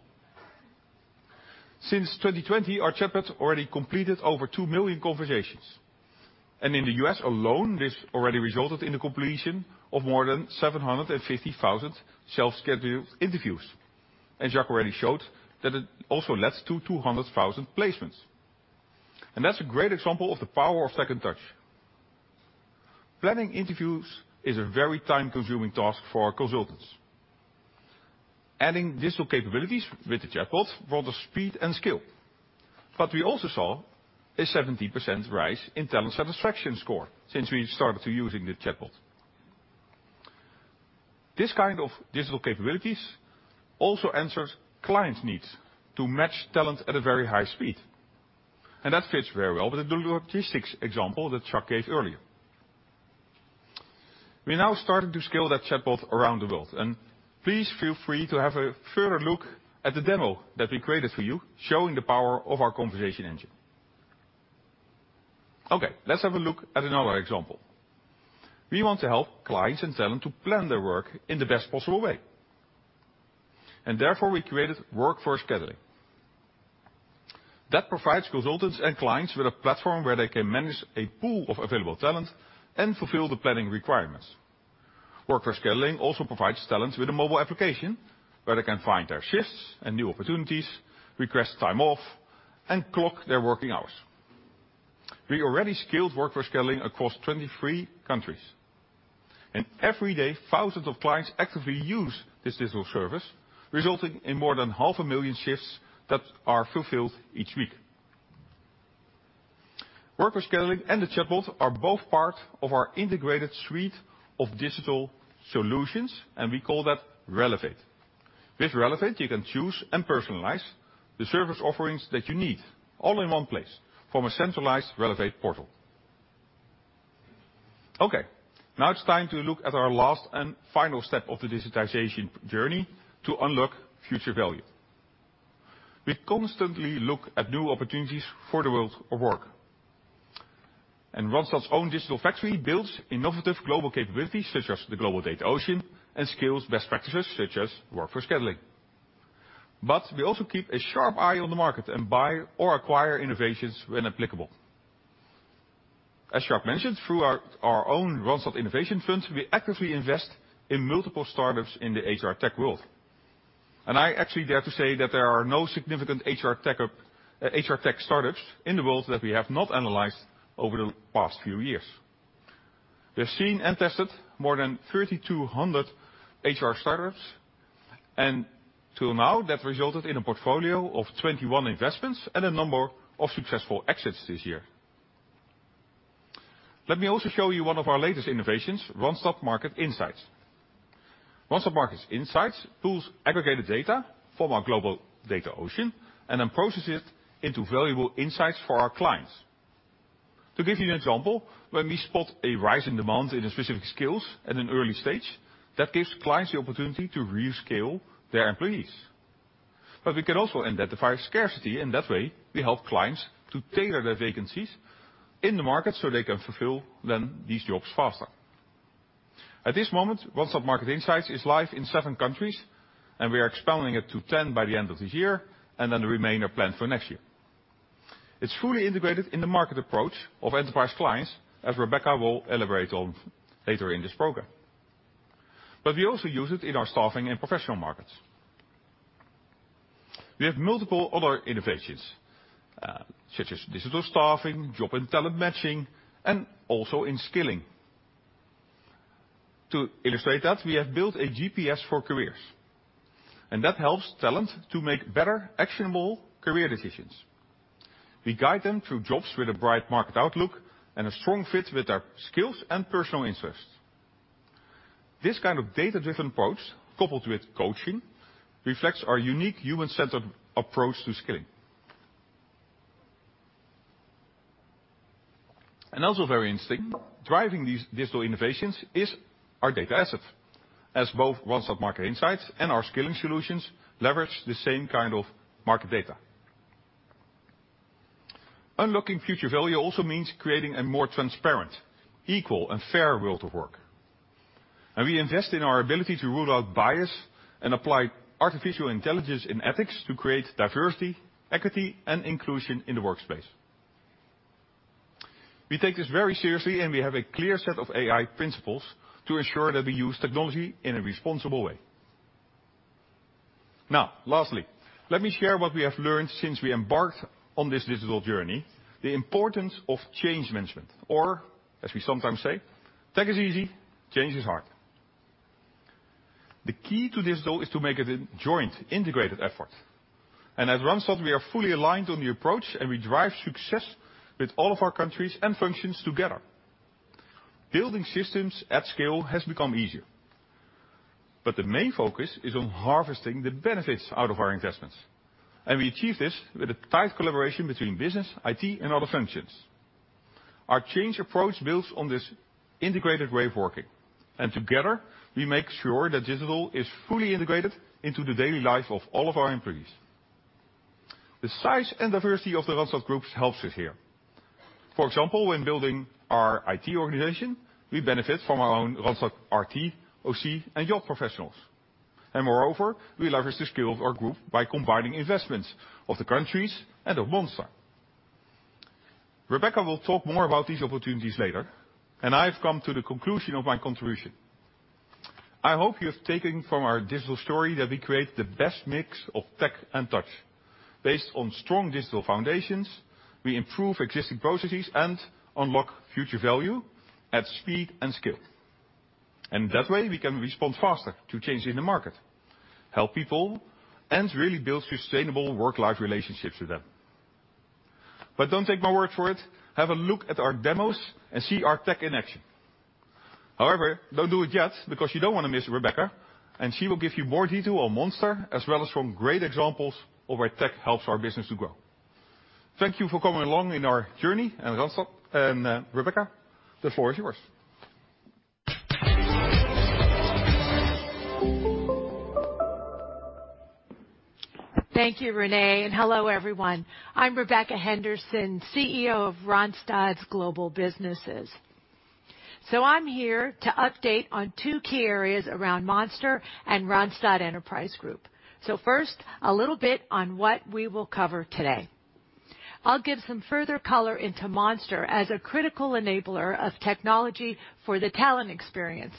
Since 2020, our chatbot already completed over 2 million conversations, and in the U.S. alone, this already resulted in the completion of more than 750,000 self-scheduled interviews. Jacques already showed that it also led to 200,000 placements. That's a great example of the power of second touch. Planning interviews is a very time-consuming task for our consultants. Adding digital capabilities with the chatbot brought us speed and skill. What we also saw, a 70% rise in talent satisfaction score since we started using the chatbot. This kind of digital capabilities also answers clients' needs to match talent at a very high speed. That fits very well with the logistics example that Jacques gave earlier. We are now starting to scale that chatbot around the world, and please feel free to have a further look at the demo that we created for you, showing the power of our conversation engine. Okay, let's have a look at another example. We want to help clients and talent to plan their work in the best possible way. Therefore, we created Workforce Scheduling. That provides consultants and clients with a platform where they can manage a pool of available talent and fulfill the planning requirements. Workforce Scheduling also provides talents with a mobile application where they can find their shifts and new opportunities, request time off, and clock their working hours. We already scaled Workforce Scheduling across 23 countries. Every day, thousands of clients actively use this digital service, resulting in more than 500,000 shifts that are fulfilled each week. Workforce Scheduling and the chatbot are both part of our integrated suite of digital solutions, and we call that Relevate. With Relevate, you can choose and personalize the service offerings that you need all in one place from a centralized Relevate portal. Okay. Now it's time to look at our last and final step of the digitization journey to unlock future value. We constantly look at new opportunities for the world of work. Randstad's own digital factory builds innovative global capabilities such as the Global Data Ocean and scales best practices such as Workforce Scheduling. But we also keep a sharp eye on the market and buy or acquire innovations when applicable. As Jacques mentioned, through our own Randstad Innovation Fund, we actively invest in multiple startups in the HR tech world. I actually dare to say that there are no significant HR tech startups in the world that we have not analyzed over the past few years. We have seen and tested more than 3,200 HR startups, and till now, that resulted in a portfolio of 21 investments and a number of successful exits this year. Let me also show you one of our latest innovations, Randstad Market Insights. Randstad Market Insights pools aggregated data from our Global Data Ocean and then processes it into valuable insights for our clients. To give you an example, when we spot a rise in demand in a specific skill at an early stage, that gives clients the opportunity to reskill their employees. We can also identify scarcity, and that way, we help clients to tailor their vacancies in the market, so they can fulfill them these jobs faster. At this moment, Randstad Market Insights is live in seven countries, and we are expanding it to 10 by the end of the year and then the remainder planned for next year. It's fully integrated in the market approach of enterprise clients, as Rebecca will elaborate on later in this program. We also use it in our staffing and professional markets. We have multiple other innovations, such as digital staffing, job and talent matching, and also in skilling. To illustrate that, we have built a GPS for careers, and that helps talent to make better actionable career decisions. We guide them through jobs with a bright market outlook and a strong fit with their skills and personal interests. This kind of data-driven approach, coupled with coaching, reflects our unique human-centered approach to skilling. Also very interesting, driving these digital innovations is our data asset, as both Randstad Market Insights and our skilling solutions leverage the same kind of market data. Unlocking future value also means creating a more transparent, equal, and fair world of work. We invest in our ability to rule out bias and apply artificial intelligence and ethics to create diversity, equity, and inclusion in the workspace. We take this very seriously, and we have a clear set of AI principles to ensure that we use technology in a responsible way. Now, lastly, let me share what we have learned since we embarked on this digital journey, the importance of change management, or as we sometimes say, "Tech is easy, change is hard." The key to this, though, is to make it a joint integrated effort. At Randstad, we are fully aligned on the approach, and we drive success with all of our countries and functions together. Building systems at scale has become easier, but the main focus is on harvesting the benefits out of our investments. We achieve this with a tight collaboration between business, IT, and other functions. Our change approach builds on this integrated way of working, and together, we make sure that digital is fully integrated into the daily life of all of our employees. The size and diversity of the Randstad Group helps us here. For example, when building our IT organization, we benefit from our own Randstad RT, OC, and job professionals. Moreover, we leverage the skills of our group by combining investments of the countries and of Monster. Rebecca will talk more about these opportunities later, and I've come to the conclusion of my contribution. I hope you have taken from our digital story that we create the best mix of tech and touch. Based on strong digital foundations, we improve existing processes and unlock future value at speed and scale. That way, we can respond faster to changes in the market, help people, and really build sustainable work-life relationships with them. Don't take my word for it. Have a look at our demos and see our tech in action. However, don't do it yet because you don't wanna miss Rebecca, and she will give you more detail on Monster, as well as some great examples of where tech helps our business to grow. Thank you for coming along in our journey. Rebecca, the floor is yours. Thank you, René. Hello, everyone. I'm Rebecca Henderson, CEO of Randstad's Global Businesses. I'm here to update on two key areas around Monster and Randstad Enterprise Group. First, a little bit on what we will cover today. I'll give some further color into Monster as a critical enabler of technology for the talent experience.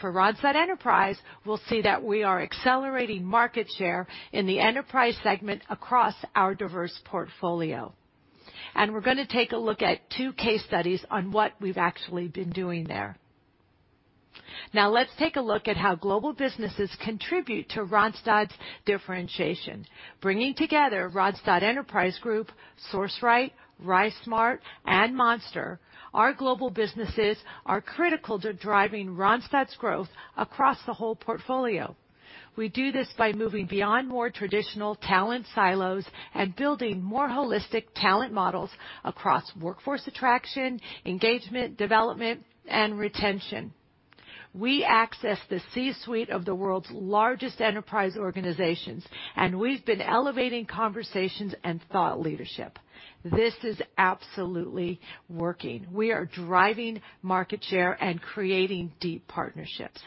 For Randstad Enterprise, we'll see that we are accelerating market share in the enterprise segment across our diverse portfolio. We're gonna take a look at two case studies on what we've actually been doing there. Now, let's take a look at how global businesses contribute to Randstad's differentiation. Bringing together Randstad Enterprise Group, Sourceright, RiseSmart, and Monster, our global businesses are critical to driving Randstad's growth across the whole portfolio. We do this by moving beyond more traditional talent silos and building more holistic talent models across workforce attraction, engagement, development, and retention. We access the C-suite of the world's largest enterprise organizations, and we've been elevating conversations and thought leadership. This is absolutely working. We are driving market share and creating deep partnerships.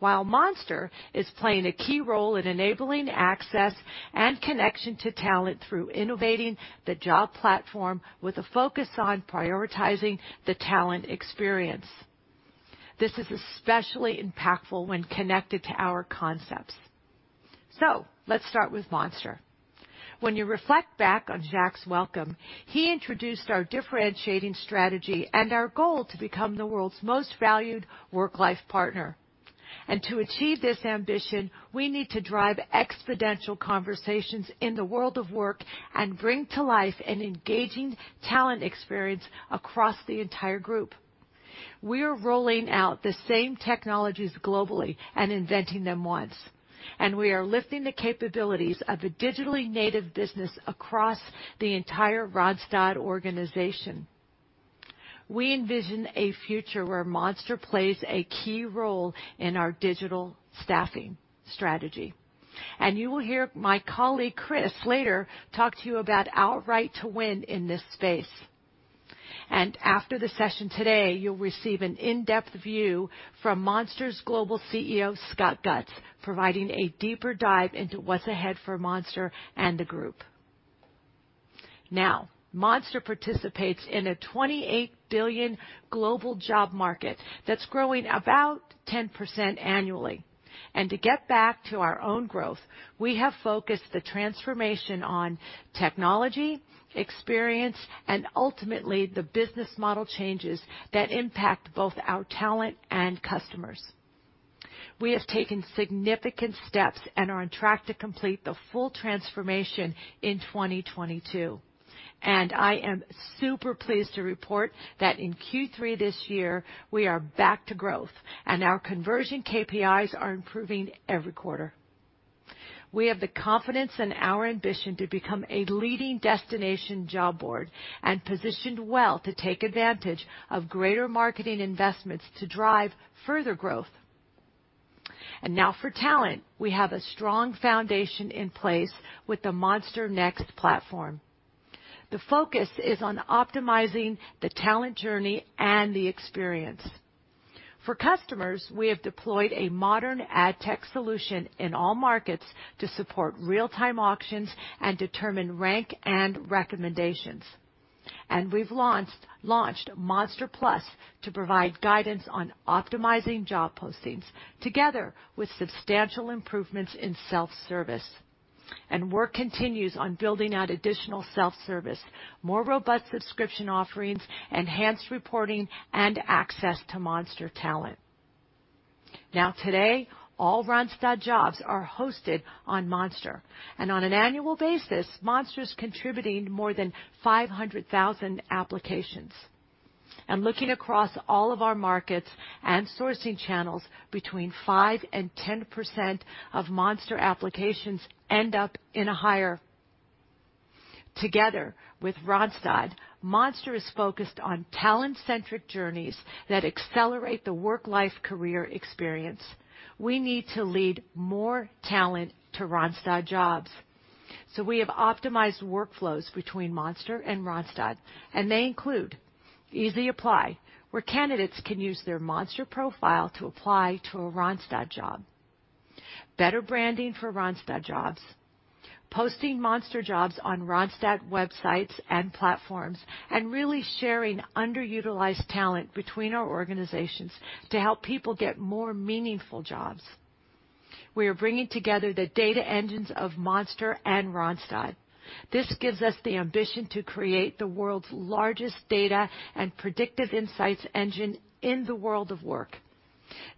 While Monster is playing a key role in enabling access and connection to talent through innovating the job platform with a focus on prioritizing the talent experience. This is especially impactful when connected to our concepts. Let's start with Monster. When you reflect back on Jack's welcome, he introduced our differentiating strategy and our goal to become the world's most valued work-life partner. To achieve this ambition, we need to drive exponential conversations in the world of work and bring to life an engaging talent experience across the entire group. We are rolling out the same technologies globally and inventing them once, and we are lifting the capabilities of a digitally native business across the entire Randstad organization. We envision a future where Monster plays a key role in our digital staffing strategy. You will hear my colleague, Chris Heutink, later talk to you about our right to win in this space. After the session today, you'll receive an in-depth view from Monster's global CEO, Scott Gutz, providing a deeper dive into what's ahead for Monster and the group. Now, Monster participates in a $28 billion global job market that's growing about 10% annually. To get back to our own growth, we have focused the transformation on technology, experience, and ultimately, the business model changes that impact both our talent and customers. We have taken significant steps and are on track to complete the full transformation in 2022. I am super pleased to report that in Q3 this year, we are back to growth, and our conversion KPIs are improving every quarter. We have the confidence in our ambition to become a leading destination job board and positioned well to take advantage of greater marketing investments to drive further growth. Now for talent, we have a strong foundation in place with the Monster Next platform. The focus is on optimizing the talent journey and the experience. For customers, we have deployed a modern ad tech solution in all markets to support real-time auctions and determine rank and recommendations. We've launched Monster+ to provide guidance on optimizing job postings together with substantial improvements in self-service. Work continues on building out additional self-service, more robust subscription offerings, enhanced reporting, and access to Monster talent. Now today, all Randstad jobs are hosted on Monster, and on an annual basis, Monster's contributing more than 500,000 applications. Looking across all of our markets and sourcing channels, between 5%-10% of Monster applications end up in a hire. Together with Randstad, Monster is focused on talent-centric journeys that accelerate the work-life career experience. We need to lead more talent to Randstad jobs. We have optimized workflows between Monster and Randstad, and they include Easy Apply, where candidates can use their Monster profile to apply to a Randstad job. Better branding for Randstad jobs. Posting Monster jobs on Randstad websites and platforms, and really sharing underutilized talent between our organizations to help people get more meaningful jobs. We are bringing together the data engines of Monster and Randstad. This gives us the ambition to create the world's largest data and predictive insights engine in the world of work.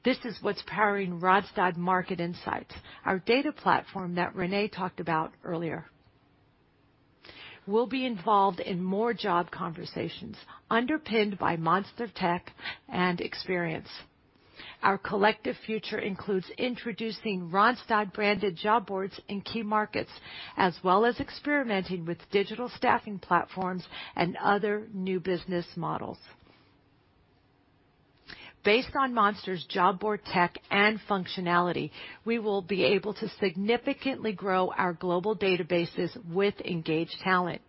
This is what's powering Randstad Market Insights, our data platform that René talked about earlier. We'll be involved in more job conversations underpinned by Monster tech and experience. Our collective future includes introducing Randstad-branded job boards in key markets, as well as experimenting with digital staffing platforms and other new business models. Based on Monster's job board tech and functionality, we will be able to significantly grow our global databases with engaged talent.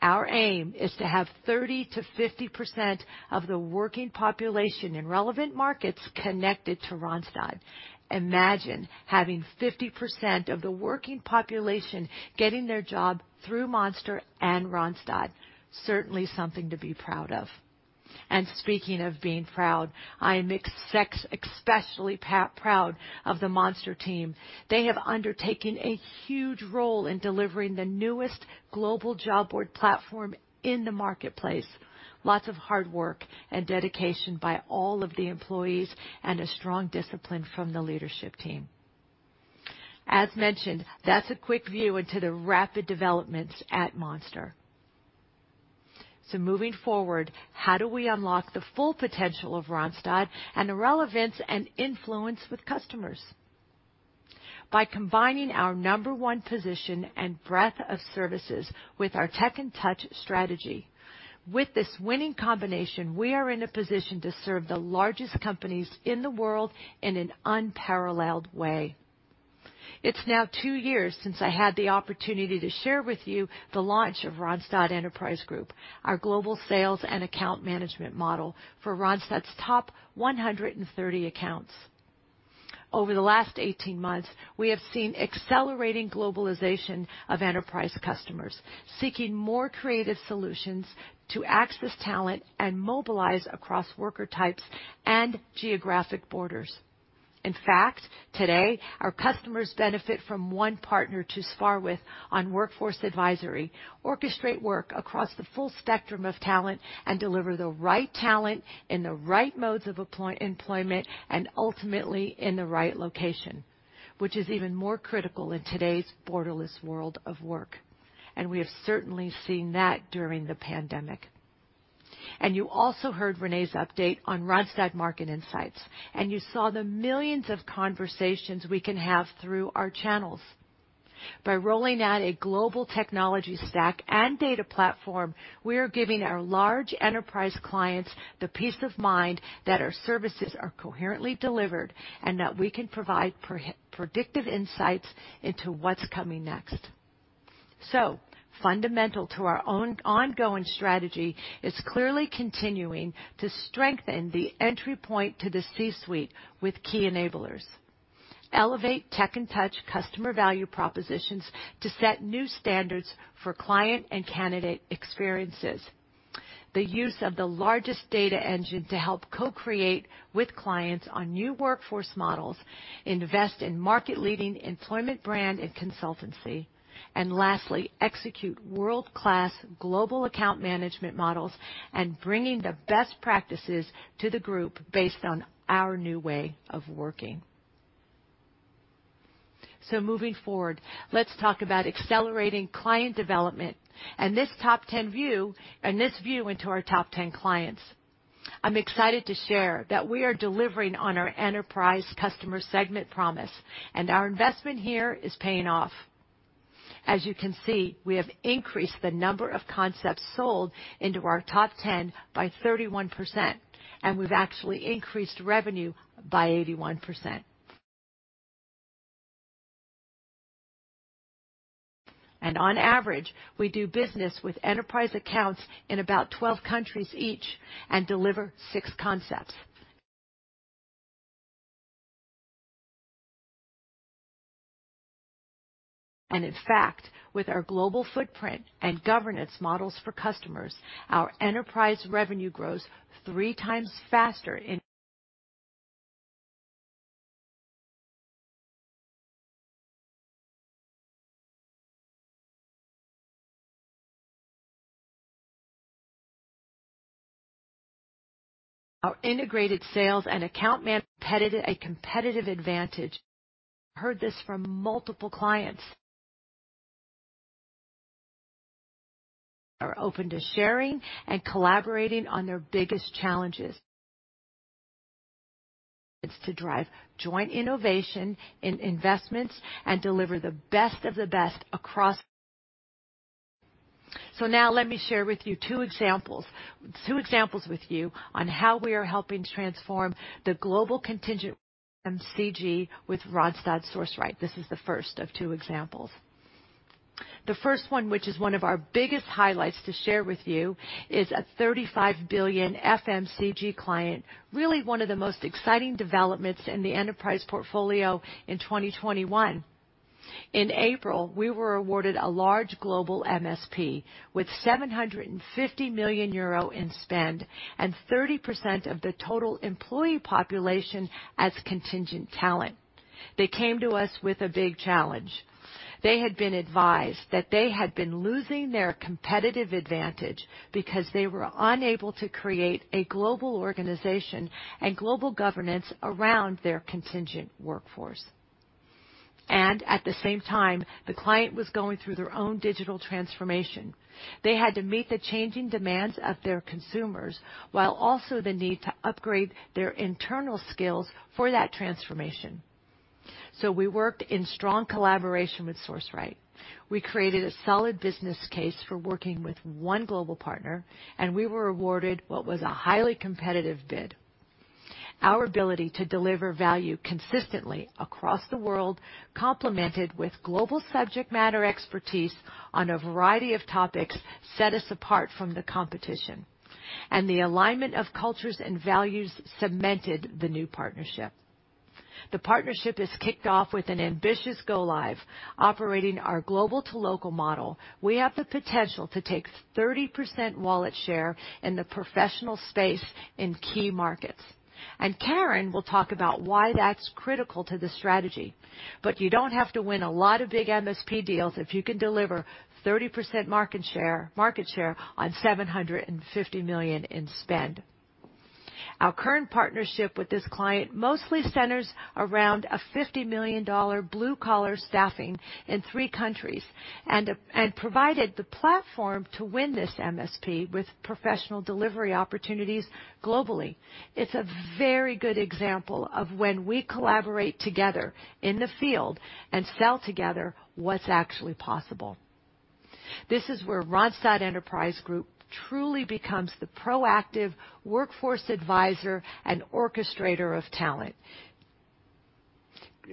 Our aim is to have 30%-50% of the working population in relevant markets connected to Randstad. Imagine having 50% of the working population getting their job through Monster and Randstad. Certainly something to be proud of. Speaking of being proud, I am especially proud of the Monster team. They have undertaken a huge role in delivering the newest global job board platform in the marketplace. Lots of hard work and dedication by all of the employees and a strong discipline from the leadership team. As mentioned, that's a quick view into the rapid developments at Monster. Moving forward, how do we unlock the full potential of Randstad and the relevance and influence with customers? By combining our number one position and breadth of services with our tech and touch strategy. With this winning combination, we are in a position to serve the largest companies in the world in an unparalleled way. It's now two years since I had the opportunity to share with you the launch of Randstad Enterprise Group, our global sales and account management model for Randstad's top 130 accounts. Over the last 18 months, we have seen accelerating globalization of enterprise customers seeking more creative solutions to access talent and mobilize across worker types and geographic borders. In fact, today, our customers benefit from one partner to spar with on workforce advisory, orchestrate work across the full spectrum of talent, and deliver the right talent in the right modes of employment and ultimately in the right location, which is even more critical in today's borderless world of work. We have certainly seen that during the pandemic. You also heard René's update on Randstad Market Insights, and you saw the millions of conversations we can have through our channels. By rolling out a global technology stack and data platform, we are giving our large enterprise clients the peace of mind that our services are coherently delivered and that we can provide predictive insights into what's coming next. Fundamental to our ongoing strategy is clearly continuing to strengthen the entry point to the C-suite with key enablers. Relevate tech and touch customer value propositions to set new standards for client and candidate experiences. The use of the largest data engine to help co-create with clients on new workforce models, invest in market-leading employment brand and consultancy. Lastly, execute world-class global account management models and bringing the best practices to the group based on our new way of working. Moving forward, let's talk about accelerating client development and this top ten view and this view into our top ten clients. I'm excited to share that we are delivering on our enterprise customer segment promise, and our investment here is paying off. As you can see, we have increased the number of concepts sold into our top ten by 31%, and we've actually increased revenue by 81%. On average, we do business with enterprise accounts in about 12 countries each and deliver 6 concepts. In fact, with our global footprint and governance models for customers, our enterprise revenue grows 3 times faster. Our integrated sales and account management a competitive advantage. I've heard this from multiple clients. They are open to sharing and collaborating on their biggest challenges to drive joint innovation in investments and deliver the best of the best across. Let me share with you two examples with you on how we are helping to transform the global contingent FMCG with Randstad Sourceright. This is the first of two examples. The first one, which is one of our biggest highlights to share with you, is a 35 billion FMCG client, really one of the most exciting developments in the enterprise portfolio in 2021. In April, we were awarded a large global MSP with 750 million euro in spend and 30% of the total employee population as contingent talent. They came to us with a big challenge. They had been advised that they had been losing their competitive advantage because they were unable to create a global organization and global governance around their contingent workforce. At the same time, the client was going through their own digital transformation. They had to meet the changing demands of their consumers, while also the need to upgrade their internal skills for that transformation. We worked in strong collaboration with Sourceright. We created a solid business case for working with one global partner, and we were awarded what was a highly competitive bid. Our ability to deliver value consistently across the world, complemented with global subject matter expertise on a variety of topics, set us apart from the competition, and the alignment of cultures and values cemented the new partnership. The partnership is kicked off with an ambitious go live. Operating our global to local model, we have the potential to take 30% wallet share in the professional space in key markets. Karen will talk about why that's critical to the strategy. You don't have to win a lot of big MSP deals if you can deliver 30% market share on 750 million in spend. Our current partnership with this client mostly centers around a $50 million blue-collar staffing in three countries and provided the platform to win this MSP with professional delivery opportunities globally. It's a very good example of when we collaborate together in the field and sell together what's actually possible. This is where Randstad Enterprise Group truly becomes the proactive workforce advisor and orchestrator of talent.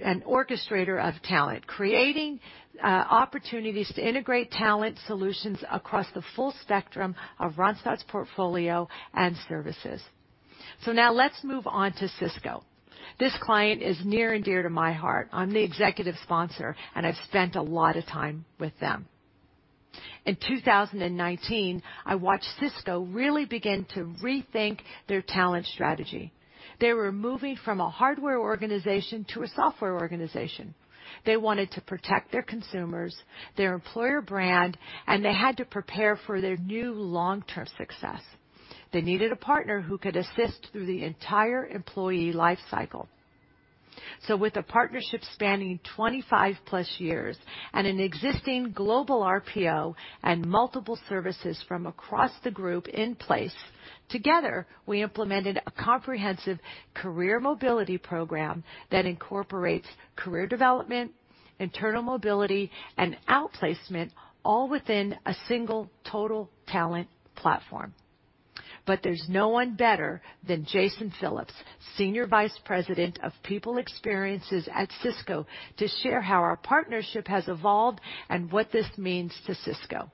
An orchestrator of talent, creating opportunities to integrate talent solutions across the full spectrum of Randstad's portfolio and services. Now let's move on to Cisco. This client is near and dear to my heart. I'm the executive sponsor, and I've spent a lot of time with them. In 2019, I watched Cisco really begin to rethink their talent strategy. They were moving from a hardware organization to a software organization. They wanted to protect their consumers, their employer brand, and they had to prepare for their new long-term success. They needed a partner who could assist through the entire employee life cycle. With a partnership spanning 25+ years and an existing global RPO and multiple services from across the group in place, together, we implemented a comprehensive career mobility program that incorporates career development, internal mobility and outplacement all within a single total talent platform. There's no one better than Jason Phillips, Senior Vice President of People Experiences at Cisco, to share how our partnership has evolved and what this means to Cisco.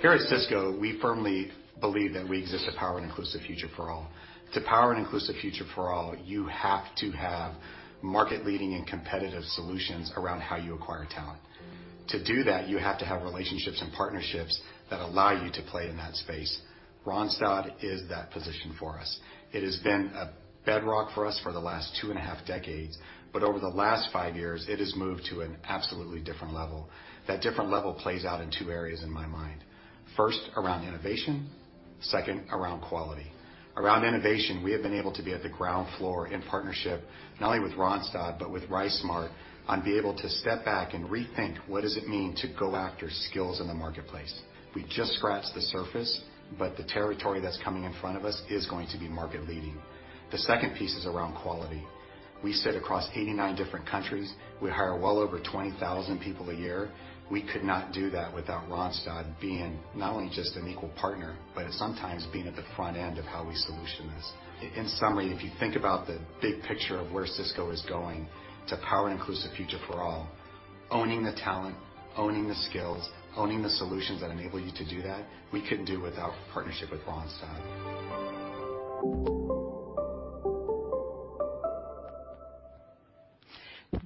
Here at Cisco, we firmly believe that we exist to power an inclusive future for all. To power an inclusive future for all, you have to have market-leading and competitive solutions around how you acquire talent. To do that, you have to have relationships and partnerships that allow you to play in that space. Randstad is that position for us. It has been a bedrock for us for the last 2.5 decades, but over the last 5 years, it has moved to an absolutely different level. That different level plays out in 2 areas in my mind. First, around innovation, second, around quality. Around innovation, we have been able to be at the ground floor in partnership not only with Randstad but with RiseSmart on being able to step back and rethink what does it mean to go after skills in the marketplace. We just scratched the surface, but the territory that's coming in front of us is going to be market-leading. The second piece is around quality. We sit across 89 different countries. We hire well over 20,000 people a year. We could not do that without Randstad being not only just an equal partner, but sometimes being at the front end of how we solve this. In summary, if you think about the big picture of where Cisco is going to power an inclusive future for all. Owning the talent, owning the skills, owning the solutions that enable you to do that, we couldn't do without a partnership with Randstad.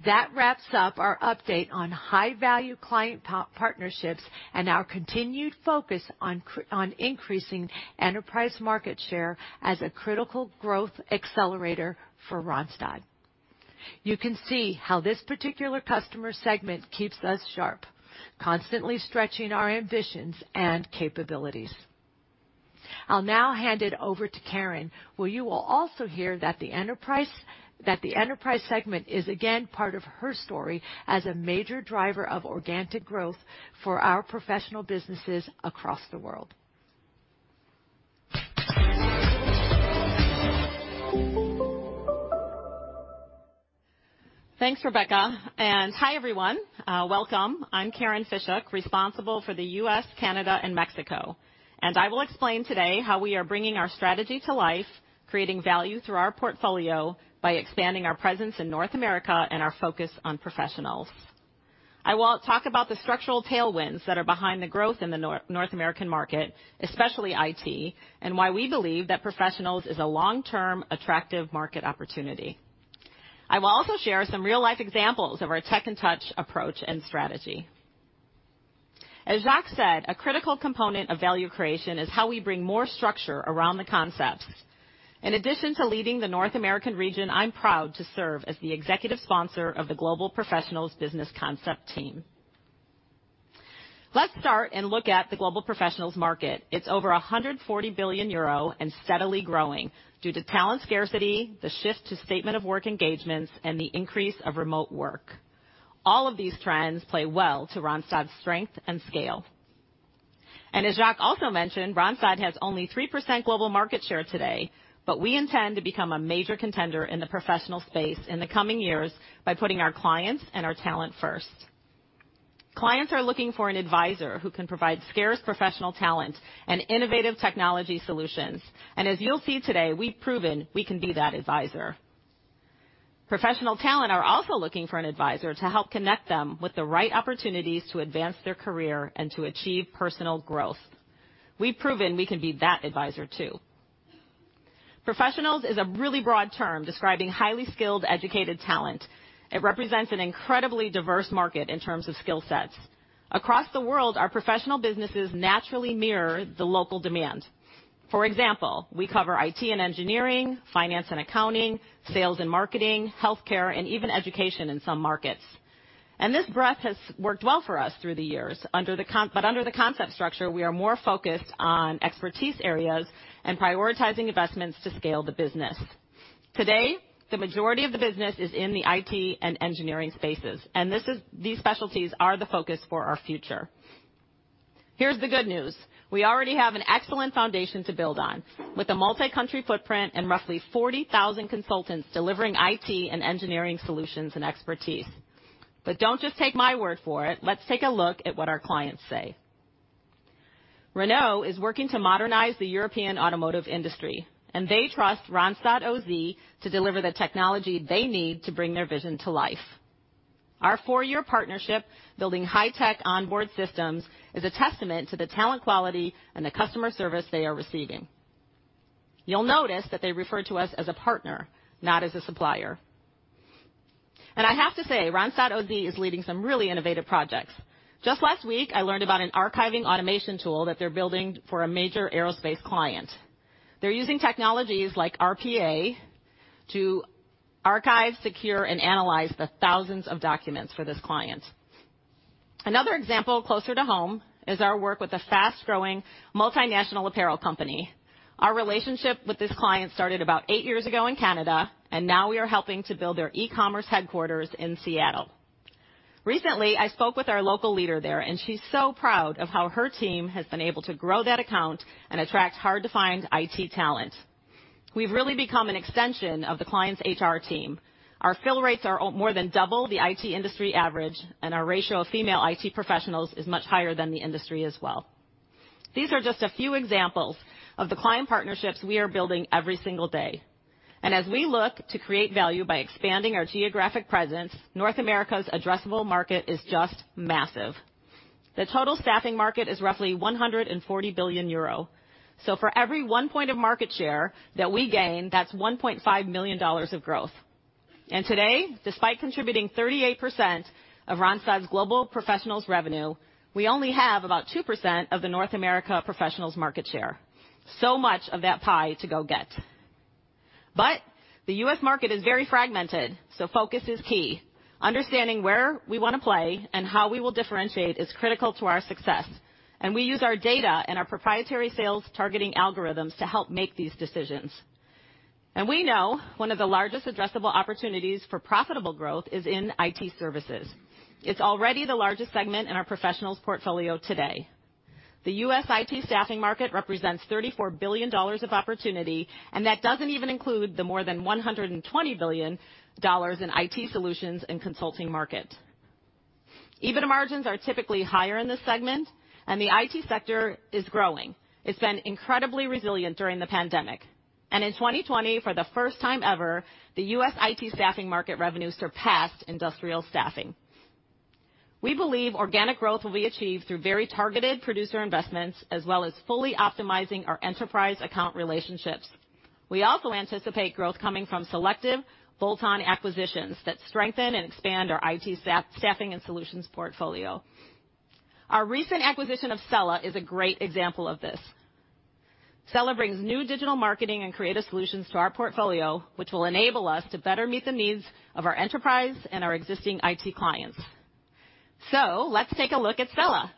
That wraps up our update on high-value client partnerships and our continued focus on increasing enterprise market share as a critical growth accelerator for Randstad. You can see how this particular customer segment keeps us sharp, constantly stretching our ambitions and capabilities. I'll now hand it over to Karen, where you will also hear that the enterprise segment is, again, part of her story as a major driver of organic growth for our professional businesses across the world. Thanks, Rebecca, and hi, everyone. Welcome. I'm Karen Fichuk, responsible for the U.S., Canada, and Mexico. I will explain today how we are bringing our strategy to life, creating value through our portfolio by expanding our presence in North America and our focus on professionals. I will talk about the structural tailwinds that are behind the growth in the North American market, especially IT, and why we believe that professionals is a long-term attractive market opportunity. I will also share some real-life examples of our tech and touch approach and strategy. Jacques said, a critical component of value creation is how we bring more structure around the concepts. In addition to leading the North American region, I'm proud to serve as the executive sponsor of the Global Professionals Business Concept team. Let's start and look at the global professionals market. It's over 140 billion euro and steadily growing due to talent scarcity, the shift to statement of work engagements, and the increase of remote work. All of these trends play well to Randstad's strength and scale. As Jacques also mentioned, Randstad has only 3% global market share today, but we intend to become a major contender in the professional space in the coming years by putting our clients and our talent first. Clients are looking for an advisor who can provide scarce professional talent and innovative technology solutions. As you'll see today, we've proven we can be that advisor. Professional talent are also looking for an advisor to help connect them with the right opportunities to advance their career and to achieve personal growth. We've proven we can be that advisor too. Professionals is a really broad term describing highly skilled, educated talent. It represents an incredibly diverse market in terms of skill sets. Across the world, our professional businesses naturally mirror the local demand. For example, we cover IT and engineering, finance and accounting, sales and marketing, healthcare, and even education in some markets. This breadth has worked well for us through the years. Under the concept structure, we are more focused on expertise areas and prioritizing investments to scale the business. Today, the majority of the business is in the IT and engineering spaces, and these specialties are the focus for our future. Here's the good news. We already have an excellent foundation to build on with a multi-country footprint and roughly 40,000 consultants delivering IT and engineering solutions and expertise. Don't just take my word for it. Let's take a look at what our clients say. Renault is working to modernize the European automotive industry, and they trust Randstad Ausy to deliver the technology they need to bring their vision to life. Our four-year partnership, building high-tech onboard systems, is a testament to the talent quality and the customer service they are receiving. You'll notice that they refer to us as a partner, not as a supplier. I have to say, Randstad Ausy is leading some really innovative projects. Just last week, I learned about an archiving automation tool that they're building for a major aerospace client. They're using technologies like RPA to archive, secure, and analyze the thousands of documents for this client. Another example, closer to home, is our work with a fast-growing multinational apparel company. Our relationship with this client started about eight years ago in Canada, and now we are helping to build their e-commerce headquarters in Seattle. Recently, I spoke with our local leader there, and she's so proud of how her team has been able to grow that account and attract hard-to-find IT talent. We've really become an extension of the client's HR team. Our fill rates are more than double the IT industry average, and our ratio of female IT professionals is much higher than the industry as well. These are just a few examples of the client partnerships we are building every single day. As we look to create value by expanding our geographic presence, North America's addressable market is just massive. The total staffing market is roughly 140 billion euro. For every 1 point of market share that we gain, that's $1.5 million of growth. Today, despite contributing 38% of Randstad's global professionals revenue, we only have about 2% of the North America professionals' market share. Much of that pie to go get. The U.S. market is very fragmented, so focus is key. Understanding where we wanna play and how we will differentiate is critical to our success, and we use our data and our proprietary sales targeting algorithms to help make these decisions. We know one of the largest addressable opportunities for profitable growth is in IT services. It's already the largest segment in our professionals portfolio today. The U.S. IT staffing market represents $34 billion of opportunity, and that doesn't even include the more than $120 billion in IT solutions and consulting market. EBITDA margins are typically higher in this segment, and the IT sector is growing. It's been incredibly resilient during the pandemic. In 2020, for the first time ever, the U.S. IT staffing market revenue surpassed industrial staffing. We believe organic growth will be achieved through very targeted producer investments, as well as fully optimizing our enterprise account relationships. We also anticipate growth coming from selective bolt-on acquisitions that strengthen and expand our IT staffing and solutions portfolio. Our recent acquisition of Cella is a great example of this. Cella brings new digital marketing and creative solutions to our portfolio, which will enable us to better meet the needs of our enterprise and our existing IT clients. Let's take a look at Cella.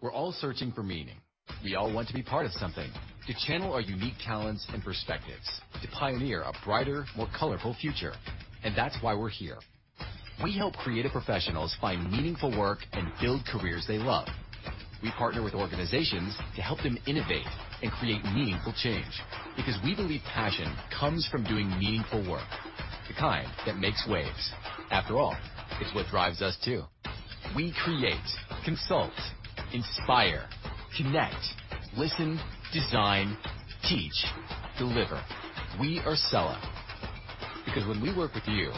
We're all searching for meaning. We all want to be part of something. To channel our unique talents and perspectives. To pioneer a brighter, more colorful future. That's why we're here. We help creative professionals find meaningful work and build careers they love. We partner with organizations to help them innovate and create meaningful change, because we believe passion comes from doing meaningful work, the kind that makes waves. After all, it's what drives us too. We create, consult, inspire, connect, listen, design, teach, deliver. We are Cella. Because when we work with you,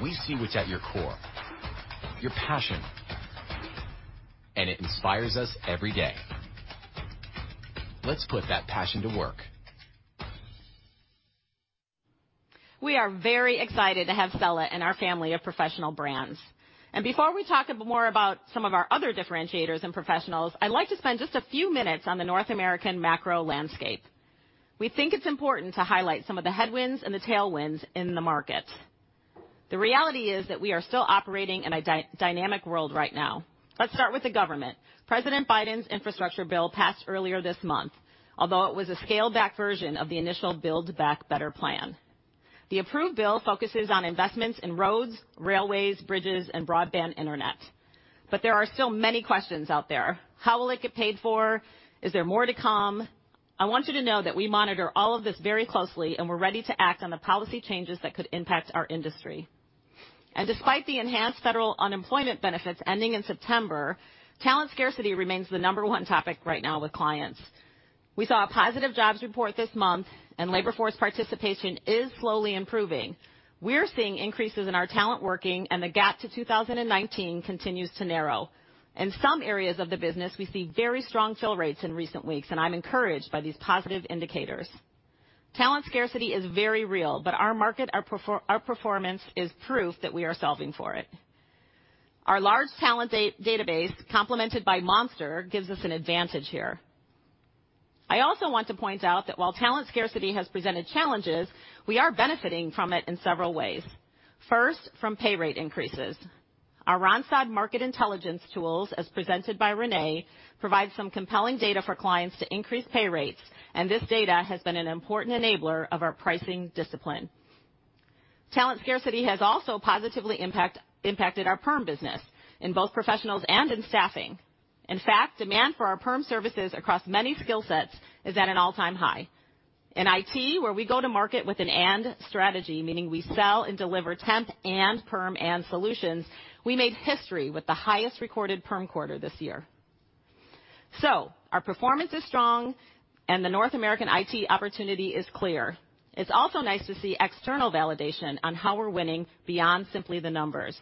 we see what's at your core, your passion, and it inspires us every day. Let's put that passion to work. We are very excited to have Cella in our family of professional brands. Before we talk a bit more about some of our other differentiators and professionals, I'd like to spend just a few minutes on the North American macro landscape. We think it's important to highlight some of the headwinds and the tailwinds in the market. The reality is that we are still operating in a dynamic world right now. Let's start with the government. President Biden's infrastructure bill passed earlier this month, although it was a scaled-back version of the initial Build Back Better plan. The approved bill focuses on investments in roads, railways, bridges, and broadband internet. There are still many questions out there. How will it get paid for? Is there more to come? I want you to know that we monitor all of this very closely, and we're ready to act on the policy changes that could impact our industry. Despite the enhanced federal unemployment benefits ending in September, talent scarcity remains the number 1 topic right now with clients. We saw a positive jobs report this month, and labor force participation is slowly improving. We're seeing increases in our talent working, and the gap to 2019 continues to narrow. In some areas of the business, we see very strong fill rates in recent weeks, and I'm encouraged by these positive indicators. Talent scarcity is very real, but our market, our performance is proof that we are solving for it. Our large talent database, complemented by Monster, gives us an advantage here. I also want to point out that while talent scarcity has presented challenges, we are benefiting from it in several ways. First, from pay rate increases. Our Randstad Market Insights tools, as presented by René, provide some compelling data for clients to increase pay rates, and this data has been an important enabler of our pricing discipline. Talent scarcity has also positively impacted our perm business in both professionals and in staffing. In fact, demand for our perm services across many skill sets is at an all-time high. In IT, where we go to market with an end-to-end strategy, meaning we sell and deliver temp and perm and solutions, we made history with the highest recorded perm quarter this year. Our performance is strong and the North American IT opportunity is clear. It's also nice to see external validation on how we're winning beyond simply the numbers.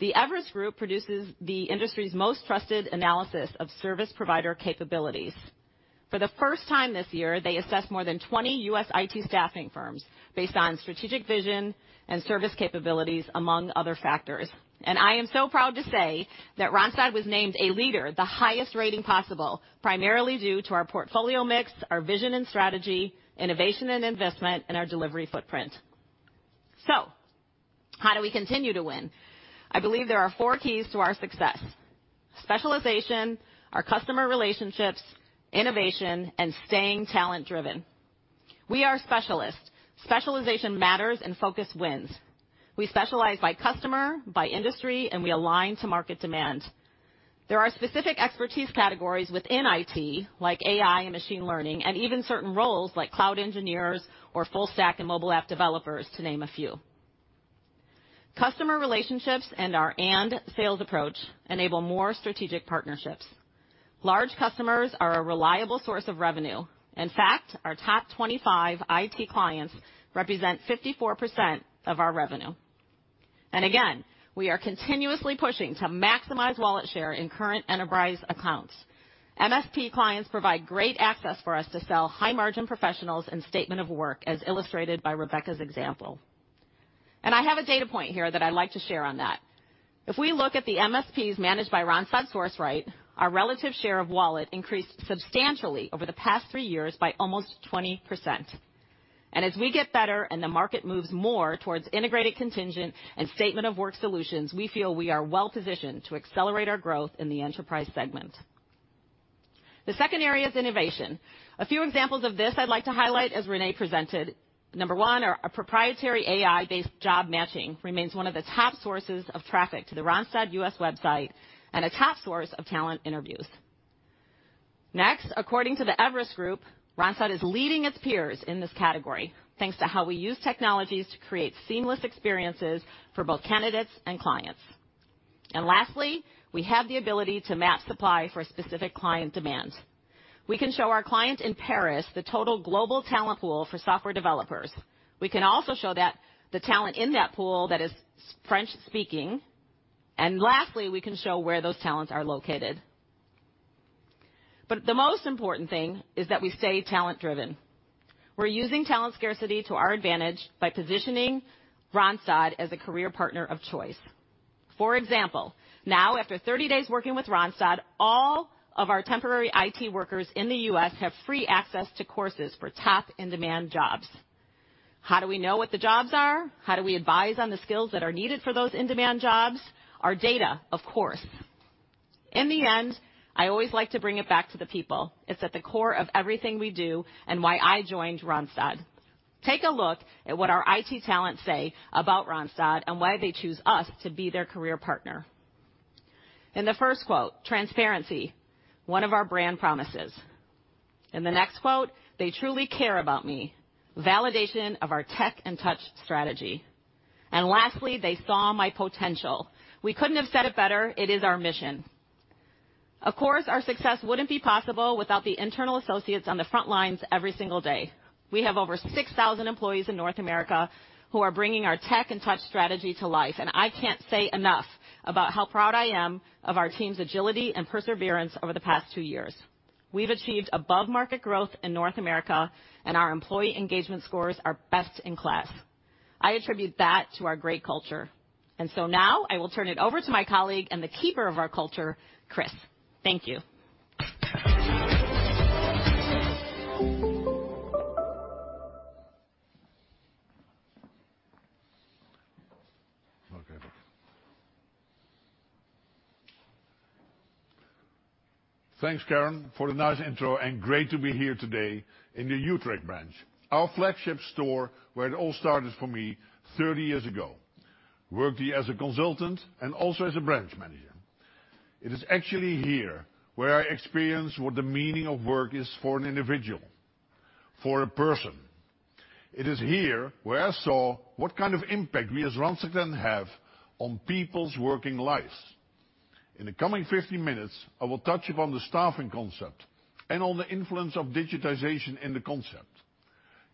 The Everest Group produces the industry's most trusted analysis of service provider capabilities. For the first time this year, they assessed more than 20 U.S. IT staffing firms based on strategic vision and service capabilities, among other factors. I am so proud to say that Randstad was named a leader, the highest rating possible, primarily due to our portfolio mix, our vision and strategy, innovation and investment, and our delivery footprint. How do we continue to win? I believe there are four keys to our success, specialization, our customer relationships, innovation, and staying talent-driven. We are specialists. Specialization matters and focus wins. We specialize by customer, by industry, and we align to market demand. There are specific expertise categories within IT, like AI and machine learning, and even certain roles like cloud engineers or full stack and mobile app developers, to name a few. Customer relationships and our sales approach enable more strategic partnerships. Large customers are a reliable source of revenue. In fact, our top 25 IT clients represent 54% of our revenue. Again, we are continuously pushing to maximize wallet share in current enterprise accounts. MSP clients provide great access for us to sell high-margin professionals and statement of work, as illustrated by Rebecca's example. I have a data point here that I'd like to share on that. If we look at the MSPs managed by Randstad Sourceright, our relative share of wallet increased substantially over the past 3 years by almost 20%. As we get better and the market moves more towards integrated, contingent, and statement of work solutions, we feel we are well-positioned to accelerate our growth in the enterprise segment. The second area is innovation. A few examples of this I'd like to highlight as René presented. Number one, our proprietary AI-based job matching remains one of the top sources of traffic to the Randstad U.S. website and a top source of talent interviews. Next, according to the Everest Group, Randstad is leading its peers in this category, thanks to how we use technologies to create seamless experiences for both candidates and clients. Lastly, we have the ability to map supply for a specific client demand. We can show our client in Paris the total global talent pool for software developers. We can also show that the talent in that pool that is French speaking. Lastly, we can show where those talents are located. The most important thing is that we stay talent-driven. We're using talent scarcity to our advantage by positioning Randstad as a career partner of choice. For example, now, after 30 days working with Randstad, all of our temporary IT workers in the U.S. have free access to courses for the top in-demand jobs. How do we know what the jobs are? How do we advise on the skills that are needed for those in-demand jobs? Our data, of course. In the end, I always like to bring it back to the people. It's at the core of everything we do and why I joined Randstad. Take a look at what our IT talents say about Randstad and why they choose us to be their career partner. In the first quote, transparency, one of our brand promises. In the next quote, "They truly care about me," validation of our tech and touch strategy. Lastly, "They saw my potential." We couldn't have said it better. It is our mission. Of course, our success wouldn't be possible without the internal associates on the front lines every single day. We have over 6,000 employees in North America who are bringing our tech and touch strategy to life. I can't say enough about how proud I am of our team's agility and perseverance over the past 2 years. We've achieved above-market growth in North America, and our employee engagement scores are best in class. I attribute that to our great culture. Now I will turn it over to my colleague and the keeper of our culture, Chris. Thank you. Thanks, Karen, for the nice intro, and great to be here today in the Utrecht branch, our flagship store, where it all started for me 30 years ago. I worked here as a consultant and also as a branch manager. It is actually here where I experienced what the meaning of work is for an individual, for a person. It is here where I saw what kind of impact we as Randstad can have on people's working lives. In the coming 15 minutes, I will touch upon the staffing concept and on the influence of digitization in the concept.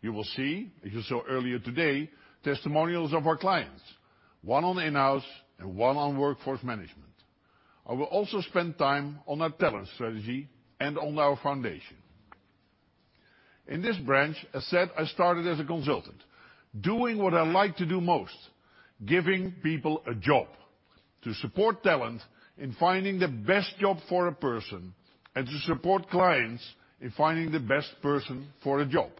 You will see, as you saw earlier today, testimonials of our clients, one on in-house and one on workforce management. I will also spend time on our talent strategy and on our foundation. In this branch, as said, I started as a consultant, doing what I like to do most, giving people a job, to support talent in finding the best job for a person and to support clients in finding the best person for a job.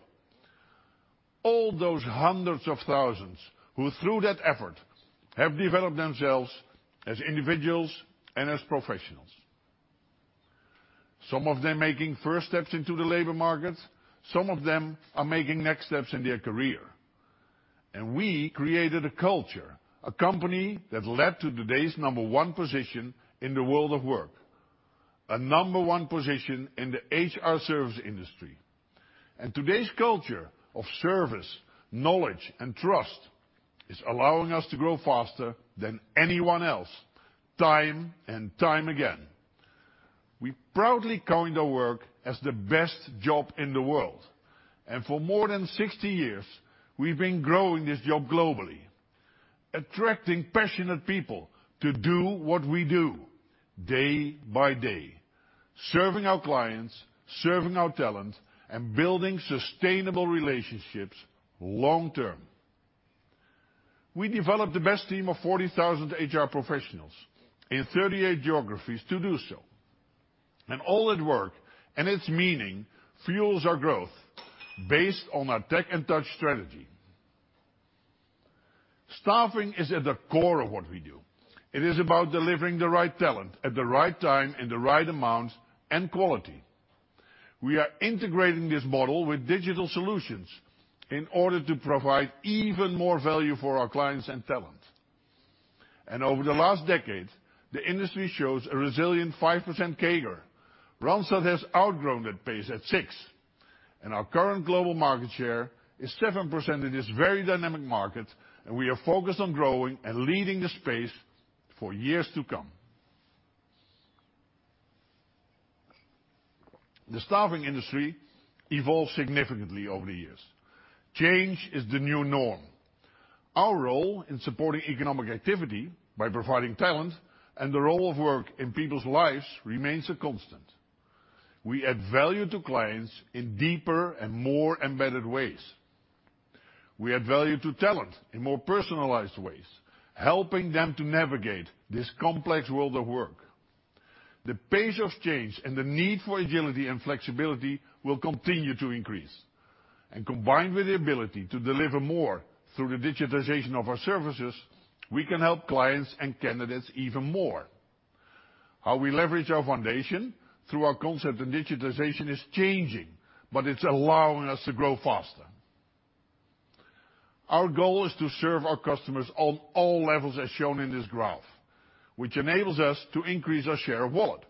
All those hundreds of thousands, who through that effort, have developed themselves as individuals and as professionals. Some of them making first steps into the labor markets, some of them are making next steps in their career. We created a culture, a company that led to today's number one position in the world of work, a number one position in the HR service industry. Today's culture of service, knowledge, and trust is allowing us to grow faster than anyone else, time and time again. We proudly coin the work as the best job in the world, and for more than 60 years, we've been growing this job globally, attracting passionate people to do what we do day by day, serving our clients, serving our talent, and building sustainable relationships long term. We developed the best team of 40,000 HR professionals in 38 geographies to do so. All that work and its meaning fuels our growth based on our tech and touch strategy. Staffing is at the core of what we do. It is about delivering the right talent at the right time in the right amount and quality. We are integrating this model with digital solutions in order to provide even more value for our clients and talent. Over the last decade, the industry shows a resilient 5% CAGR. Randstad has outgrown that pace at 6%, and our current global market share is 7% in this very dynamic market, and we are focused on growing and leading the space for years to come. The staffing industry evolved significantly over the years. Change is the new norm. Our role in supporting economic activity by providing talent and the role of work in people's lives remains a constant. We add value to clients in deeper and more embedded ways. We add value to talent in more personalized ways, helping them to navigate this complex world of work. The pace of change and the need for agility and flexibility will continue to increase. Combined with the ability to deliver more through the digitization of our services, we can help clients and candidates even more. How we leverage our foundation through our concept and digitization is changing, but it's allowing us to grow faster. Our goal is to serve our customers on all levels, as shown in this graph, which enables us to increase our share of wallet.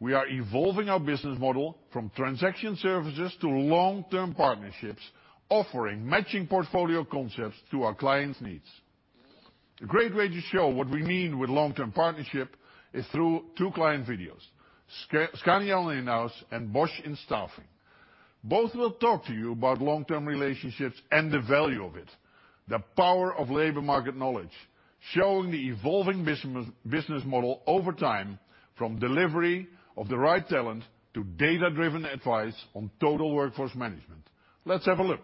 We are evolving our business model from transaction services to long-term partnerships, offering matching portfolio concepts to our clients' needs. A great way to show what we mean by long-term partnership is through two client videos. Scania Leasing House and Bosch in Staffing. Both will talk to you about long-term relationships and the value of it, the power of labor market knowledge, showing the evolving business model over time from delivery of the right talent to data-driven advice on total workforce management. Let's have a look.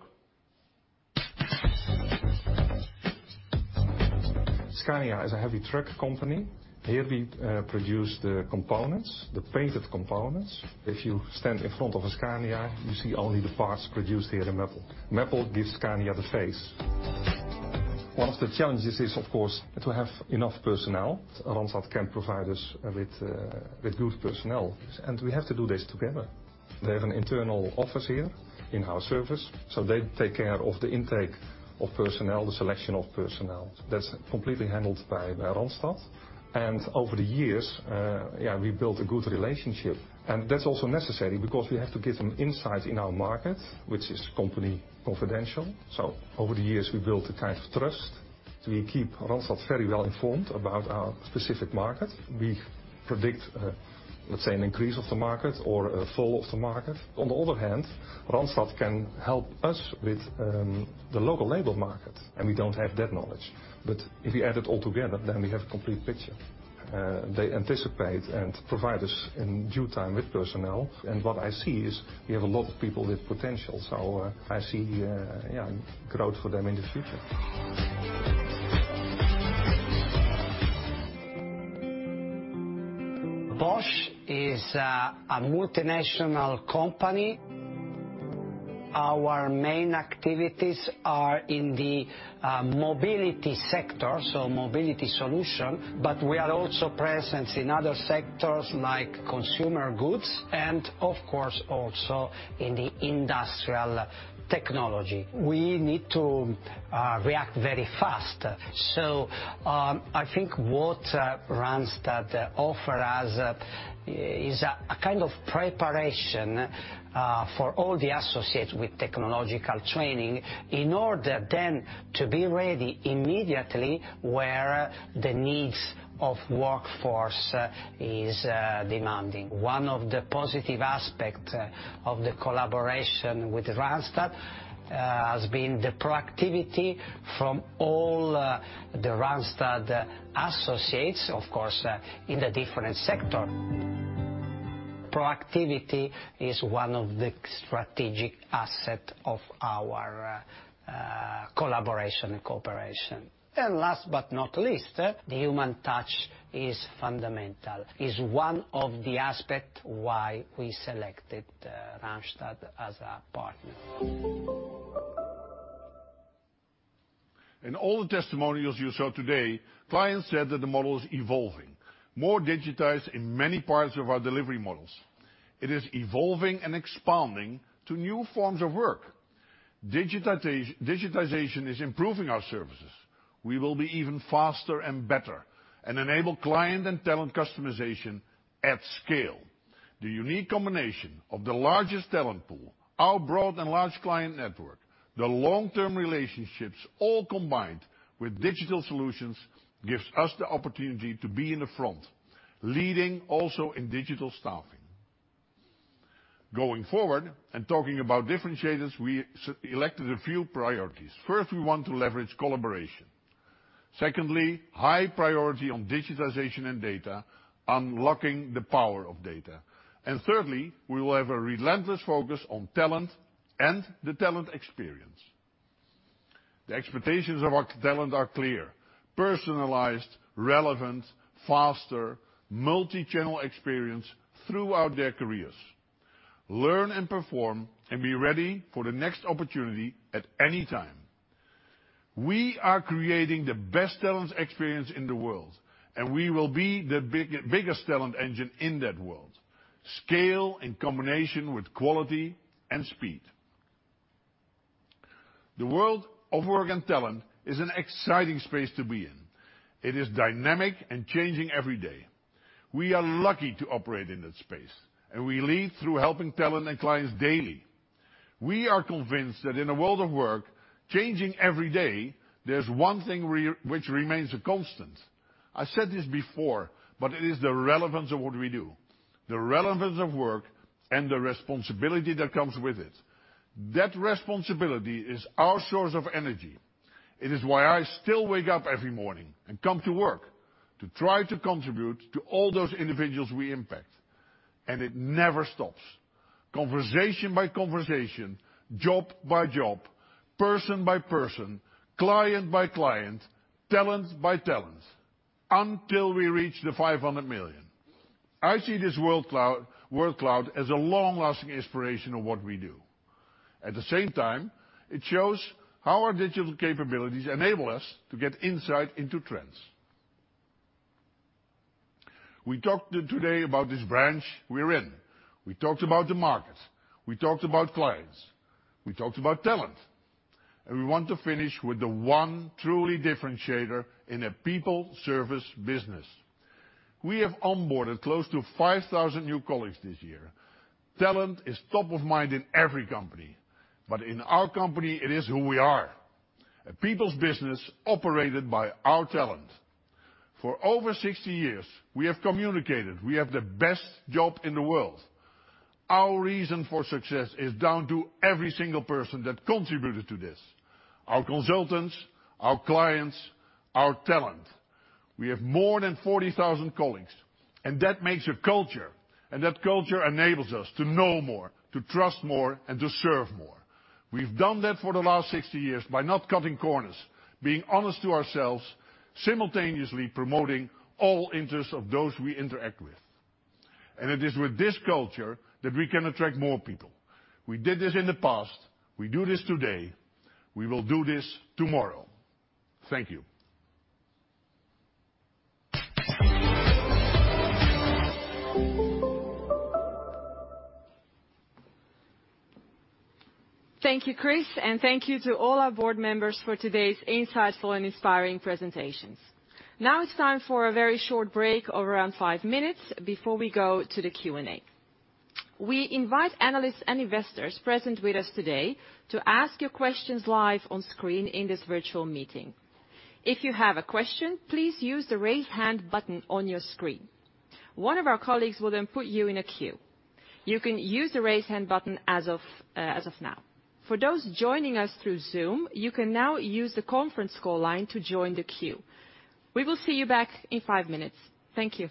Scania is a heavy truck company. Here we produce the components, the painted components. If you stand in front of a Scania, you see only the parts produced here in Meppel. Meppel gives Scania the face. One of the challenges is, of course, to have enough personnel. Randstad can provide us with good personnel, and we have to do this together. They have an internal office here in our service, so they take care of the intake of personnel, the selection of personnel. That's completely handled by Randstad. Over the years, we built a good relationship, and that's also necessary because we have to give them insight in our market, which is company confidential. Over the years, we built a kind of trust. We keep Randstad very well informed about our specific market. We predict, let's say, an increase of the market or a fall of the market. On the other hand, Randstad can help us with the local labor market, and we don't have that knowledge. If you add it all together, then we have a complete picture. They anticipate and provide us in due time with personnel. What I see is we have a lot of people with potential, so I see growth for them in the future. Bosch is a multinational company. Our main activities are in the mobility sector, so mobility solution, but we are also present in other sectors like consumer goods and of course, also in the industrial technology. We need to react very fast. I think what Randstad offer us is a kind of preparation for all the associates with technological training in order then to be ready immediately where the needs of workforce is demanding. One of the positive aspect of the collaboration with Randstad has been the proactivity from all the Randstad associates, of course, in the different sector. Proactivity is one of the strategic asset of our collaboration and cooperation. Last but not least, the human touch is fundamental. It's one of the aspect why we selected Randstad as a partner. In all the testimonials you saw today, clients said that the model is evolving more digitized in many parts of our delivery models. It is evolving and expanding to new forms of work. Digitization is improving our services. We will be even faster and better and enable client and talent customization at scale. The unique combination of the largest talent pool, our broad and large client network, the long-term relationships, all combined with digital solutions, gives us the opportunity to be in the front, leading also in digital staffing. Going forward and talking about differentiators, we elected a few priorities. First, we want to leverage collaboration. Secondly, high priority on digitization and data, unlocking the power of data. Thirdly, we will have a relentless focus on talent and the talent experience. The expectations of our talent are clear, personalized, relevant, faster, multi-channel experience throughout their careers. Learn and perform and be ready for the next opportunity at any time. We are creating the best talents experience in the world, and we will be the biggest talent engine in that world. Scale in combination with quality and speed. The world of work and talent is an exciting space to be in. It is dynamic and changing every day. We are lucky to operate in that space, and we lead through helping talent and clients daily. We are convinced that in a world of work, changing every day, there's one thing which remains a constant. I said this before, but it is the relevance of what we do, the relevance of work and the responsibility that comes with it. That responsibility is our source of energy. It is why I still wake up every morning and come to work to try to contribute to all those individuals we impact, and it never stops. Conversation by conversation, job by job, person by person, client by client, talent by talent, until we reach the 500 million. I see this word cloud as a long-lasting inspiration of what we do. At the same time, it shows how our digital capabilities enable us to get insight into trends. We talked today about this branch we're in. We talked about the market. We talked about clients. We talked about talent. We want to finish with the one truly differentiator in a people service business. We have onboarded close to 5,000 new colleagues this year. Talent is top of mind in every company, but in our company, it is who we are, a people's business operated by our talent. For over 60 years, we have communicated we have the best job in the world. Our reason for success is down to every single person that contributed to this, our consultants, our clients, our talent. We have more than 40,000 colleagues, and that makes a culture, and that culture enables us to know more, to trust more, and to serve more. We've done that for the last 60 years by not cutting corners, being honest to ourselves, simultaneously promoting all interests of those we interact with. It is with this culture that we can attract more people. We did this in the past, we do this today, we will do this tomorrow. Thank you. Thank you, Chris, and thank you to all our board members for today's insightful and inspiring presentations. Now it's time for a very short break of around five minutes before we go to the Q&A. We invite analysts and investors to present with us today to ask your questions live on screen in this virtual meeting. If you have a question, please use the Raise Hand button on your screen. One of our colleagues will then put you in a queue. You can use the Raise Hand button as of now. For those joining us through Zoom, you can now use the conference call line to join the queue. We will see you back in 5 minutes. Thank you.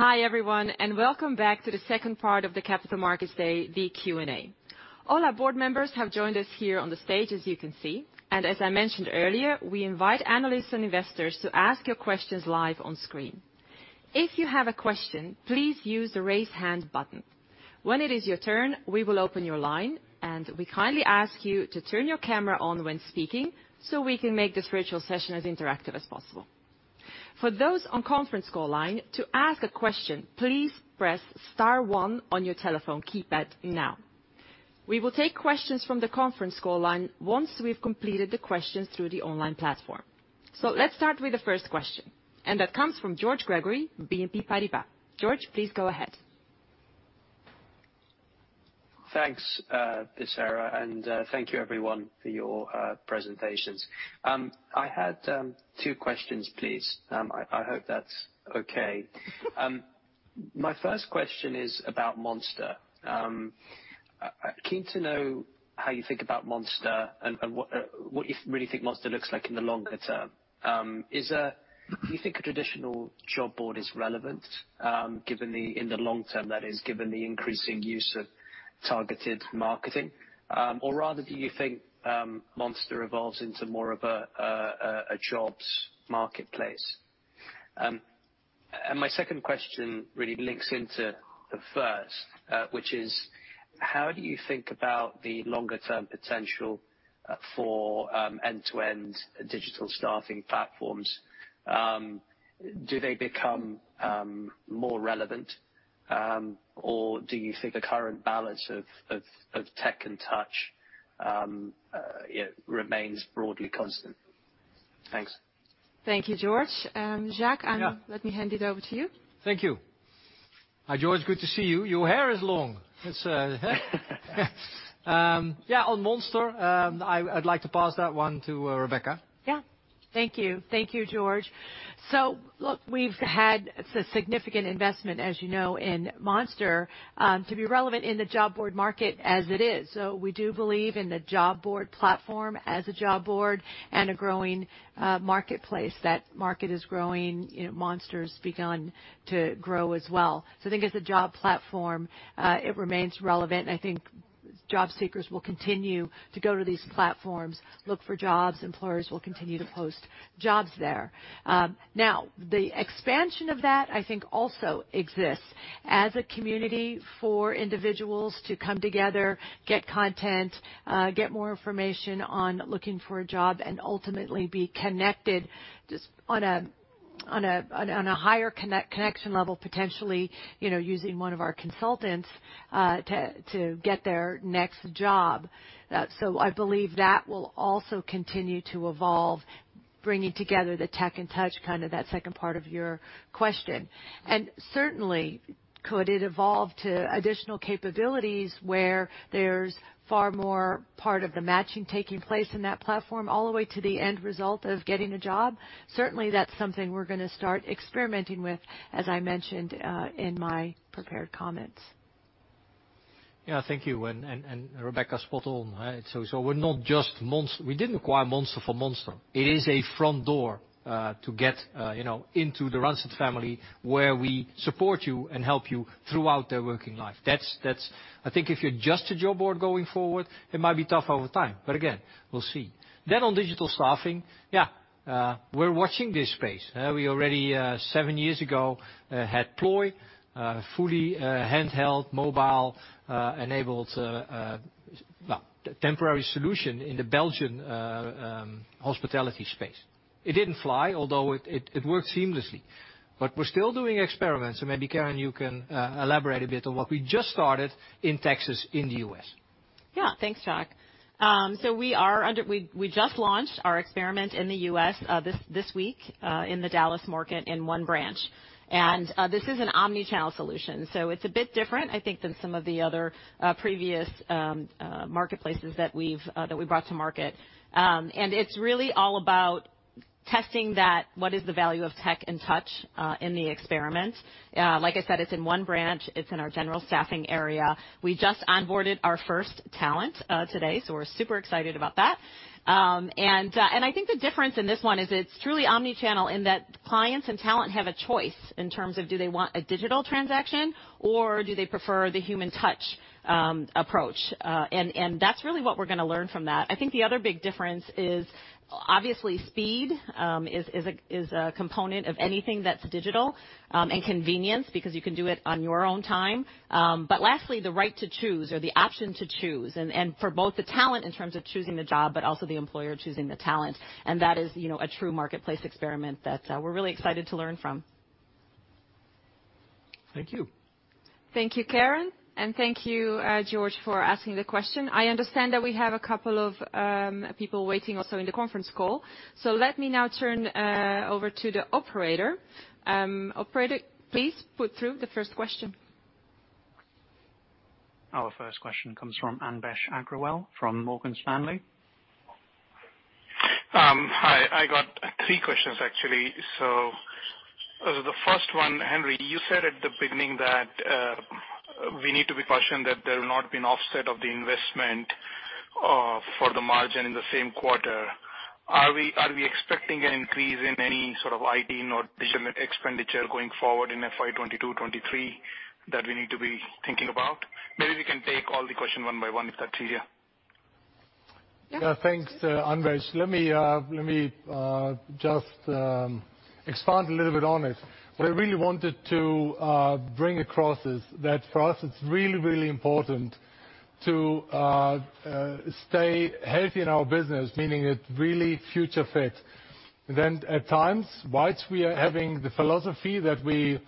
Hi, everyone, and welcome back to the second part of the Capital Markets Day, the Q&A. All our board members have joined us here on the stage, as you can see. As I mentioned earlier, we invite analysts and investors to ask your questions live on screen. If you have a question, please use the Raise Hand button. When it is your turn, we will open your line, and we kindly ask you to turn your camera on when speaking so we can make this virtual session as interactive as possible. For those on conference call line, to ask a question, please press star one on your telephone keypad now. We will take questions from the conference call line once we've completed the questions through the online platform. Let's start with the first question, and that comes from George Gregory, BNP Paribas. George, please go ahead. Thanks, Bisera, and thank you, everyone, for your presentations. I had two questions, please. I hope that's okay. My first question is about Monster. Keen to know how you think about Monster and what you really think Monster looks like in the longer term. Do you think a traditional job board is relevant, given in the long term, that is, given the increasing use of targeted marketing? Or rather do you think Monster evolves into more of a jobs marketplace? My second question really links into the first, which is how do you think about the longer term potential for end-to-end digital staffing platforms? Do they become more relevant, or do you think the current balance of tech and touch remains broadly constant? Thanks. Thank you, George. Jacques, let me hand it over to you. Thank you. Hi, George. Good to see you. Your hair is long. On Monster, I'd like to pass that one to Rebecca. Thank you. Thank you, George. Look, we've had a significant investment, in Monster, to be relevant in the job board market as it is. We do believe in the job board platform as a job board and a growing marketplace. That market is growing. Monster's begun to grow as well. I think as a job platform, it remains relevant, and I think job seekers will continue to go to these platforms, look for jobs. Employers will continue to post jobs there. Now, the expansion of that, I think, also exists as a community for individuals to come together, get content, get more information on looking for a job, and ultimately be connected just on a higher connection level, potentially, using one of our consultants, to get their next job. I believe that will also continue to evolve, bringing together the tech and touch, kind of that second part of your question. Certainly it could evolve to additional capabilities where there's far more part of the matching taking place in that platform, all the way to the end result of getting a job? Certainly, that's something we're gonna start experimenting with, as I mentioned, in my prepared comments. Thank you. Rebecca, spot on. We're not just Monster. We didn't acquire Monster for Monster. It is a front door to get into the Randstad family, where we support you and help you throughout their working life. I think if you're just a job board going forward, it might be tough over time, but again, we'll see. On digital staffing, we're watching this space. We already 7 years ago had Ploy, fully handheld mobile enabled temporary solution in the Belgian hospitality space. It didn't fly, although it worked seamlessly. We're still doing experiments. Maybe, Karen, you can elaborate a bit on what we just started in Texas in the U.S. Thanks, Jacques. We just launched our experiment in the U.S. this week in the Dallas market in one branch. This is an omni-channel solution, so it's a bit different, I think, than some of the other previous marketplaces that we brought to market. It's really all about testing what is the value of tech and touch in the experiment. Like I said, it's in one branch. It's in our general staffing area. We just onboarded our first talent today, so we're super excited about that. I think the difference in this one is it's truly omni-channel in that clients and talent have a choice in terms of do they want a digital transaction or do they prefer the human touch approach. That's really what we're gonna learn from that. I think the other big difference is obviously speed is a component of anything that's digital, and convenience because you can do it on your own time. Lastly, the right to choose or the option to choose and for both the talent in terms of choosing the job, but also the employer choosing the talent. That is, a true marketplace experiment that we're really excited to learn from. Thank you. Thank you, Karen, and thank you, George, for asking the question. I understand that we have a couple of people waiting also in the conference call. Let me now turn over to the operator. Operator, please put through the first question. Our first question comes from Anvesh Agrawal from Morgan Stanley. Hi. I got three questions, actually. The first one, Henry, you said at the beginning that we need to be cautioned that there will not be an offset of the investment for the margin in the same quarter. Are we expecting an increase in any sort of IT or digital expenditure going forward in FY 2022, 2023, that we need to be thinking about? Maybe we can take all the questions one by one, if that's easier. Thanks, Anvesh. Let me just expand a little bit on it. What I really wanted to bring across is that for us it's really important to stay healthy in our business, meaning it really future fit. At times, whilst we are having the philosophy that we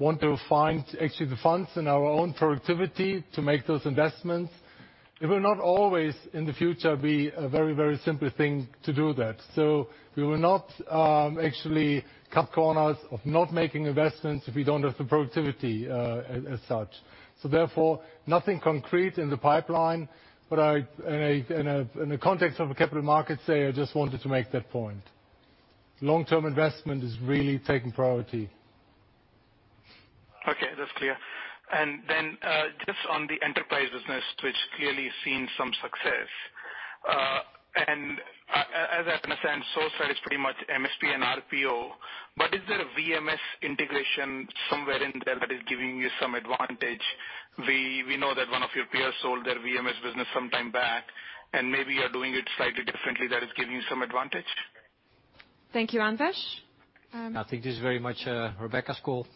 want to find actually the funds in our own productivity to make those investments, it will not always in the future be a very simple thing to do that. We will not actually cut corners of not making investments if we don't have the productivity as such. Therefore, nothing concrete in the pipeline, but in a context of a capital market say, I just wanted to make that point. Long-term investment is really taking priority. Okay, that's clear. Then, just on the enterprise's net, which clearly shows some success, and as I understand, Sourceright is pretty much MSP and RPO, but is there a VMS integration somewhere in there that is giving you some advantage? We know that one of your peers sold their VMS business some time back, and maybe you're doing it slightly differently, which is giving you some advantage. Thank you, Anvesh. I think this is very much, Rebecca's call.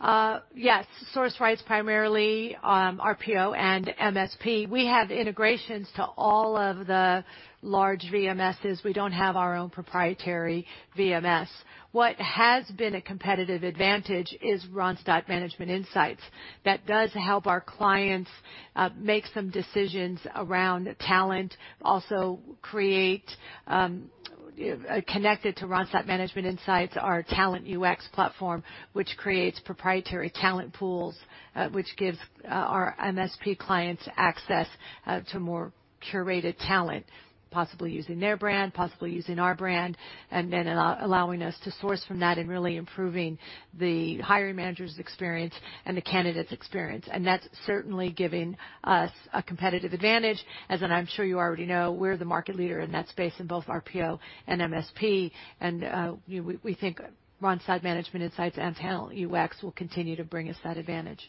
Yes. Randstad Sourceright's primarily RPO and MSP. We have integrations to all of the large VMSs. We don't have our own proprietary VMS. What has been a competitive advantage is Randstad Market Insights. That does help our clients make some decisions around talent. Connected to Randstad Market Insights, our Talent UX platform creates proprietary talent pools, which gives our MSP clients access to more curated talent, possibly using their brand, possibly using our brand, and then allowing us to source from that and really improving the hiring manager's experience and the candidate's experience. That's certainly giving us a competitive advantage, as I'm sure you already know, we're the market leader in that space in both RPO and MSP, and we think Randstad Market Insights and Talent UX will continue to bring us that advantage.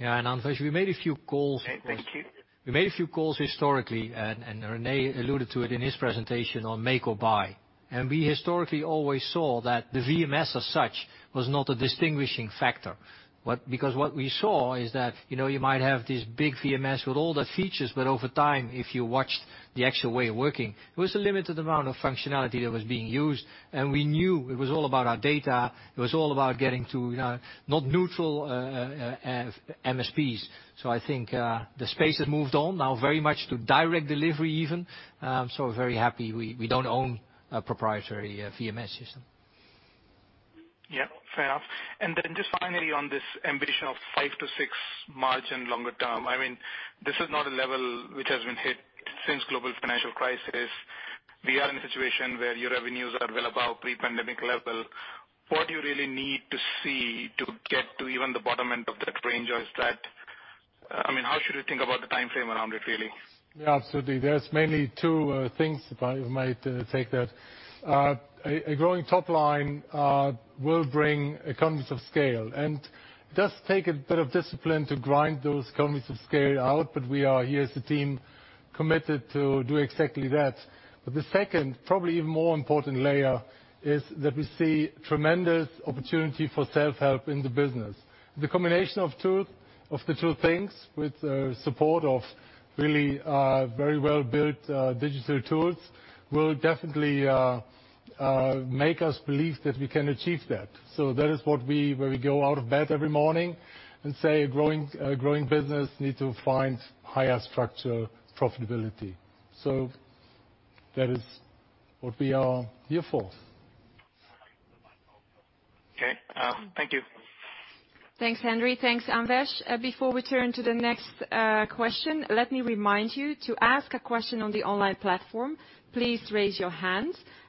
Anvesh, we made a few calls. Okay, thank you. We made a few calls historically, and René alluded to it in his presentation on make or buy. We historically always saw that the VMS as such was not a distinguishing factor. Because what we saw is that, you might have this big VMS with all the features, but over time, if you watched the actual way of working, it was a limited amount of functionality that was being used. We knew it was all about our data. It was all about getting to, not neutral MSPs. I think the space has moved on now very much to direct delivery even, so very happy we don't own a proprietary VMS system. Fair enough. Just finally on this ambition of 5%-6% margin longer term, I mean, this is not a level which has been hit since global financial crisis. We are in a situation where your revenues are well above pre-pandemic level. What do you really need to see to get to even the bottom end of that range? Is that, I mean, how should we think about the timeframe around it, really? Absolutely. There's mainly two things if I might take that. A growing top line will bring economies of scale. It does take a bit of discipline to grind those economies of scale out, but we are here as a team committed to do exactly that. The second, probably even more important layer is that we see tremendous opportunity for self-help in the business. The combination of the two things with the support of really very well-built digital tools will definitely make us believe that we can achieve that. That is what we go out of bed every morning and say a growing business need to find higher structural profitability. That is what we are here for. Okay. Thank you. Thanks, Henry. Thanks, Anvesh. Before we turn to the next question, let me remind you to ask a question on the online platform, please raise your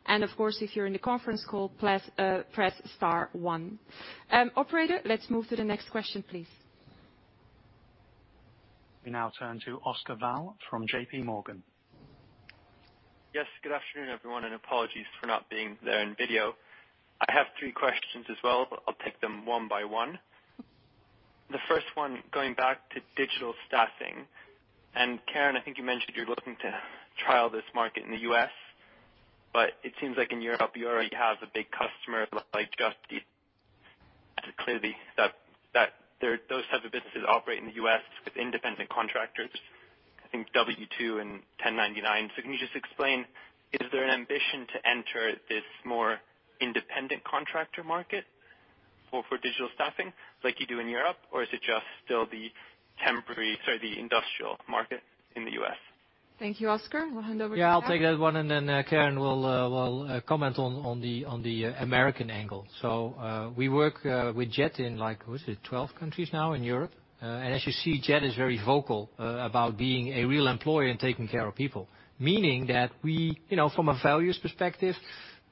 hand. Of course, if you're in the conference call, press star 1. Operator, let's move to the next question, please. We now turn to Oscar Val Mas from J.P. Morgan. Yes, good afternoon, everyone, and apologies for not being there in video. I have three questions as well. I'll take them one by one. The first one, going back to digital staffing, and Karen, I think you mentioned you're looking to trial this market in the U.S., but it seems like in Europe you already have a big customer like Just Eat. Clearly, that those types of businesses operate in the U.S. with independent contractors. I think W2 and 1099. Can you just explain, is there an ambition to enter this more independent contractor market for digital staffing like you do in Europe? Or is it just still the industrial market in the U.S.? Thank you, Oscar. We'll hand over to Jacques. I'll take that one, and then Karen will comment on the American angle. We work with Jet in like, what is it, 12 countries now in Europe. As you see, Jet is very vocal about being a real employer and taking care of people, meaning that we, from a values perspective,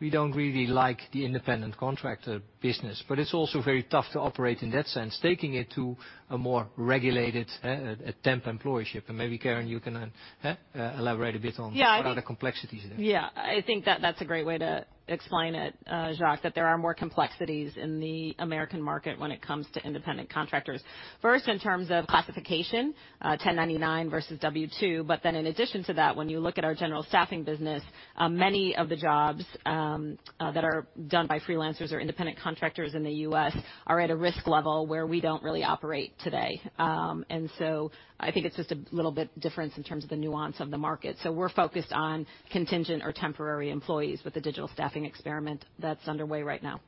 we don't really like the independent contractor business. It's also very tough to operate in that sense, taking it to a more regulated a temp employership. Maybe, Karen, you can elaborate a bit on- I think. What are the complexities there? I think that that's a great way to explain it, Jacques, that there are more complexities in the American market when it comes to independent contractors. First, in terms of classification, 1099 versus W2. In addition to that, when you look at our general staffing business, many of the jobs that are done by freelancers or independent contractors in the U.S. are at a risk level where we don't really operate today. I think it's just a little bit difference in terms of the nuance of the market. We're focused on contingent or temporary employees with the digital staffing experiment that's underway right now.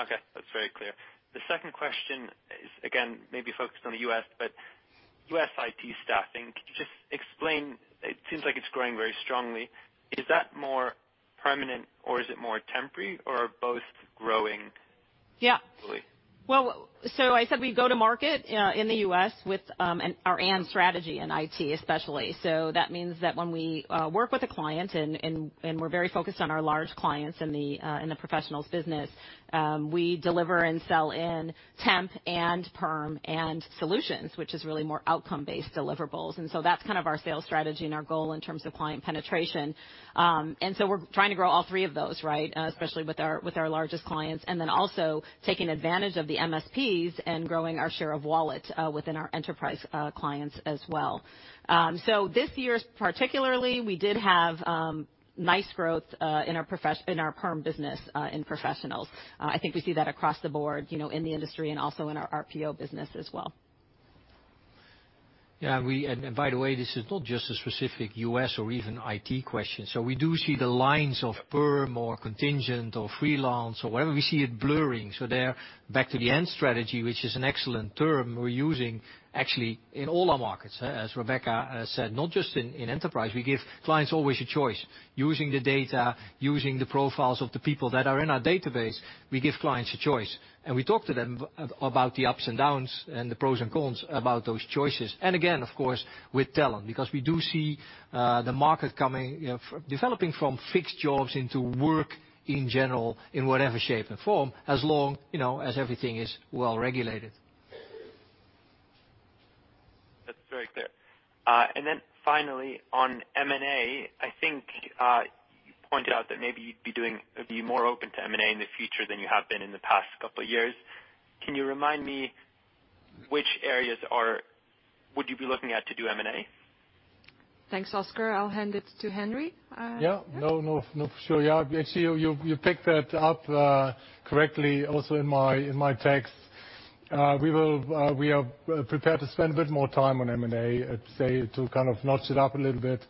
Okay, that's very clear. The second question is, again, maybe focused on the U.S., but U.S. IT staffing. Can you just explain? It seems like it's growing very strongly. Is that more permanent or is it more temporary or are both growing equally? I said we go to market in the U.S. with our end strategy in IT especially. That means that when we work with a client and we're very focused on our large clients in the professionals business, we deliver and sell in temp and perm and solutions, which is really more outcome-based deliverables. That's kind of our sales strategy and our goal in terms of client penetration. We're trying to grow all three of those, right? Especially with our largest clients. Also taking advantage of the MSPs and growing our share of wallet within our enterprise clients as well. This year particularly, we did have nice growth in our perm business in professionals. I think we see that across the board, in the industry and also in our RPO business as well. By the way, this is not just a specific U.S. or even IT question. We do see the lines of perm or contingent or freelance or whatever blurring. Back to the One Randstad strategy, which is an excellent term we're using actually in all our markets, as Rebecca said, not just in enterprise. We give clients always a choice. Using the data, using the profiles of the people that are in our database, we give clients a choice. We talk to them about the ups and downs and the pros and cons about those choices. Again, of course, with talent. We do see the market coming, developing from fixed jobs into work in general in whatever shape and form, as long, as everything is well regulated. That's very clear. Finally on M&A, I think, you pointed out that maybe you'd be more open to M&A in the future than you have been in the past couple of years. Can you remind me which areas would you be looking at to do M&A? Thanks, Oscar. I'll hand it to Henry. No, no, for sure. Actually, you picked that up correctly also in my text. We are prepared to spend a bit more time on M&A, I'd say to kind of notch it up a little bit.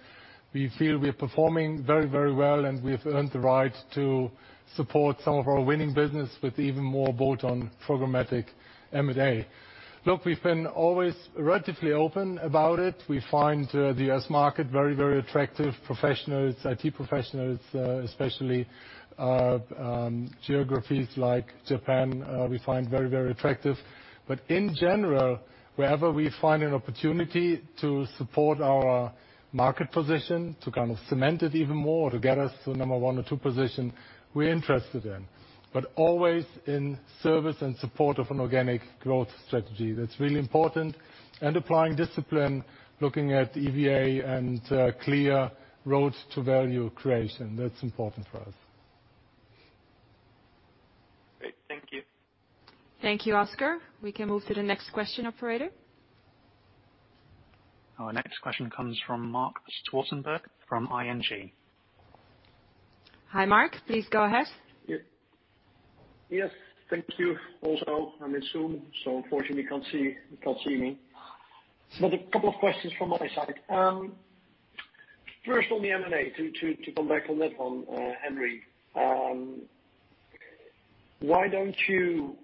We feel we're performing very well, and we've earned the right to support some of our winning business with even more bolt-on programmatic M&A. Look, we've always been relatively open about it. We find the U.S. market very attractive. Professionals, IT professionals, especially in geographies like Japan, we find very attractive. In general, wherever we find an opportunity to support our market position, to kind of cement it even more, to get us to number 1 or 2 position, we're interested in. Always in service and support of an organic growth strategy. That's really important. Applying discipline, looking at EVA and clear road to value creation. That's important for us. Great. Thank you. Thank you, Oscar. We can move to the next question, operator. Our next question comes from Marc Zwartsenburg from ING. Hi, Mark. Please go ahead. Yes, thank you also. I'm in Zoom, so unfortunately you can't see me. A couple of questions from my side. First on the M&A, to come back on that one, Henry. Why don't you?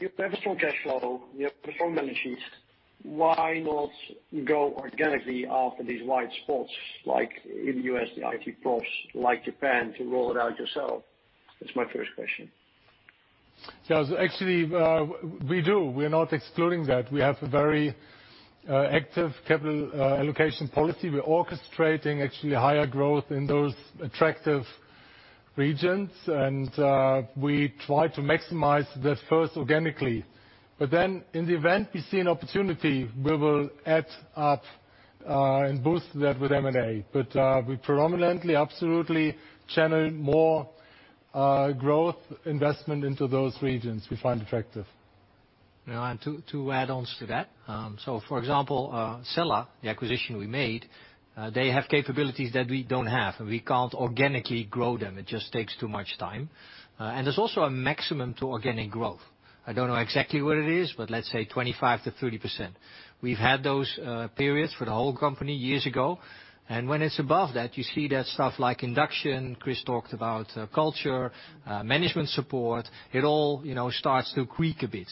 You have a strong cash flow. You have a strong balance sheet. Why not go organically after these white spots like in the U.S., the IT pros, like Japan to roll it out yourself? That's my first question. Actually, we do. We're not excluding that. We have a very active capital allocation policy. We're orchestrating actually higher growth in those attractive regions, and we try to maximize that first organically. Then in the event we see an opportunity, we will add up and boost that with M&A. We predominantly absolutely channel more growth investment into those regions we find attractive. Now, two add-ons to that. For example, Cella, the acquisition we made, they has capabilities that we don't have, and we can't organically grow them. It just takes too much time. There's also a maximum to organic growth. I don't know exactly what it is, but let's say 25%-30%. We've had those periods for the whole company years ago, and when it's above that, you see that stuff like induction, Chris talked about, culture, management support, it all starts to creak a bit.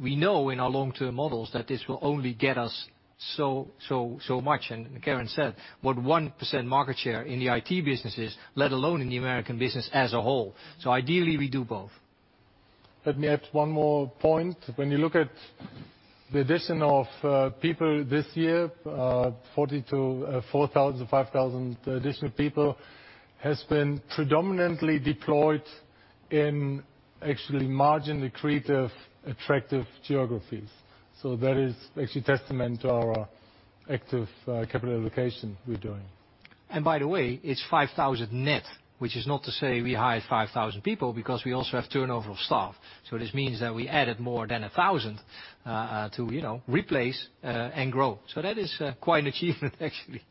We know in our long-term models that this will only get us so much. Karen said, what 1% market share in the IT business is, let alone in the American business as a whole. Ideally, we do both. Let me add one more point. When you look at the addition of people this year, 4,000-5,000 additional people has been predominantly deployed in actually margin-accretive, attractive geographies. That is actually testament to our active capital allocation we're doing. By the way, it's 5,000 net, which is not to say we hired 5,000 people because we also have turnover of staff. This means that we added more than 1,000, to replace and grow. That is quite an achievement actually.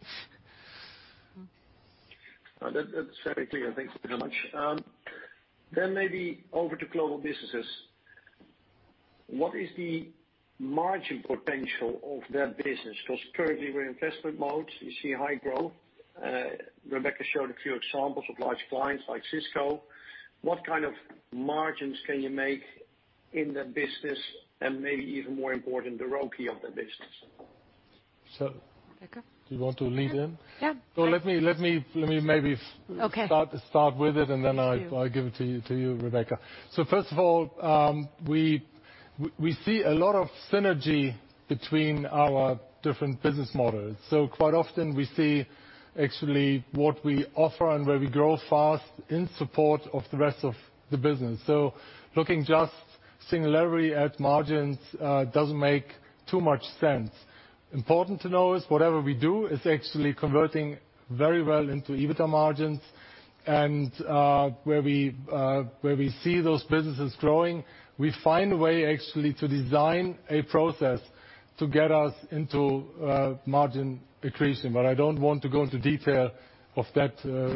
That's very clear. Thank you very much. Maybe over to Global Businesses. What is the margin potential of that business? 'Cause currently we're in investment mode. You see high growth. Rebecca showed a few examples of large clients like Cisco. What kind of margins can you make in that business and maybe even more important, the ROIC of the business? Rebecca. Do you want to lead in? Let me maybe. Okay start with it, and then I'll It's you. I'll give it to you, Rebecca. First of all, we see a lot of synergy between our different business models. Quite often we see actually what we offer and where we grow fast in support of the rest of the business. Looking just singularly at margins doesn't make too much sense. Important to know is whatever we do is actually converting very well into EBITDA margins. Where we see those businesses growing, we find a way actually to design a process to get us into margin accretion. I don't want to go into detail of that,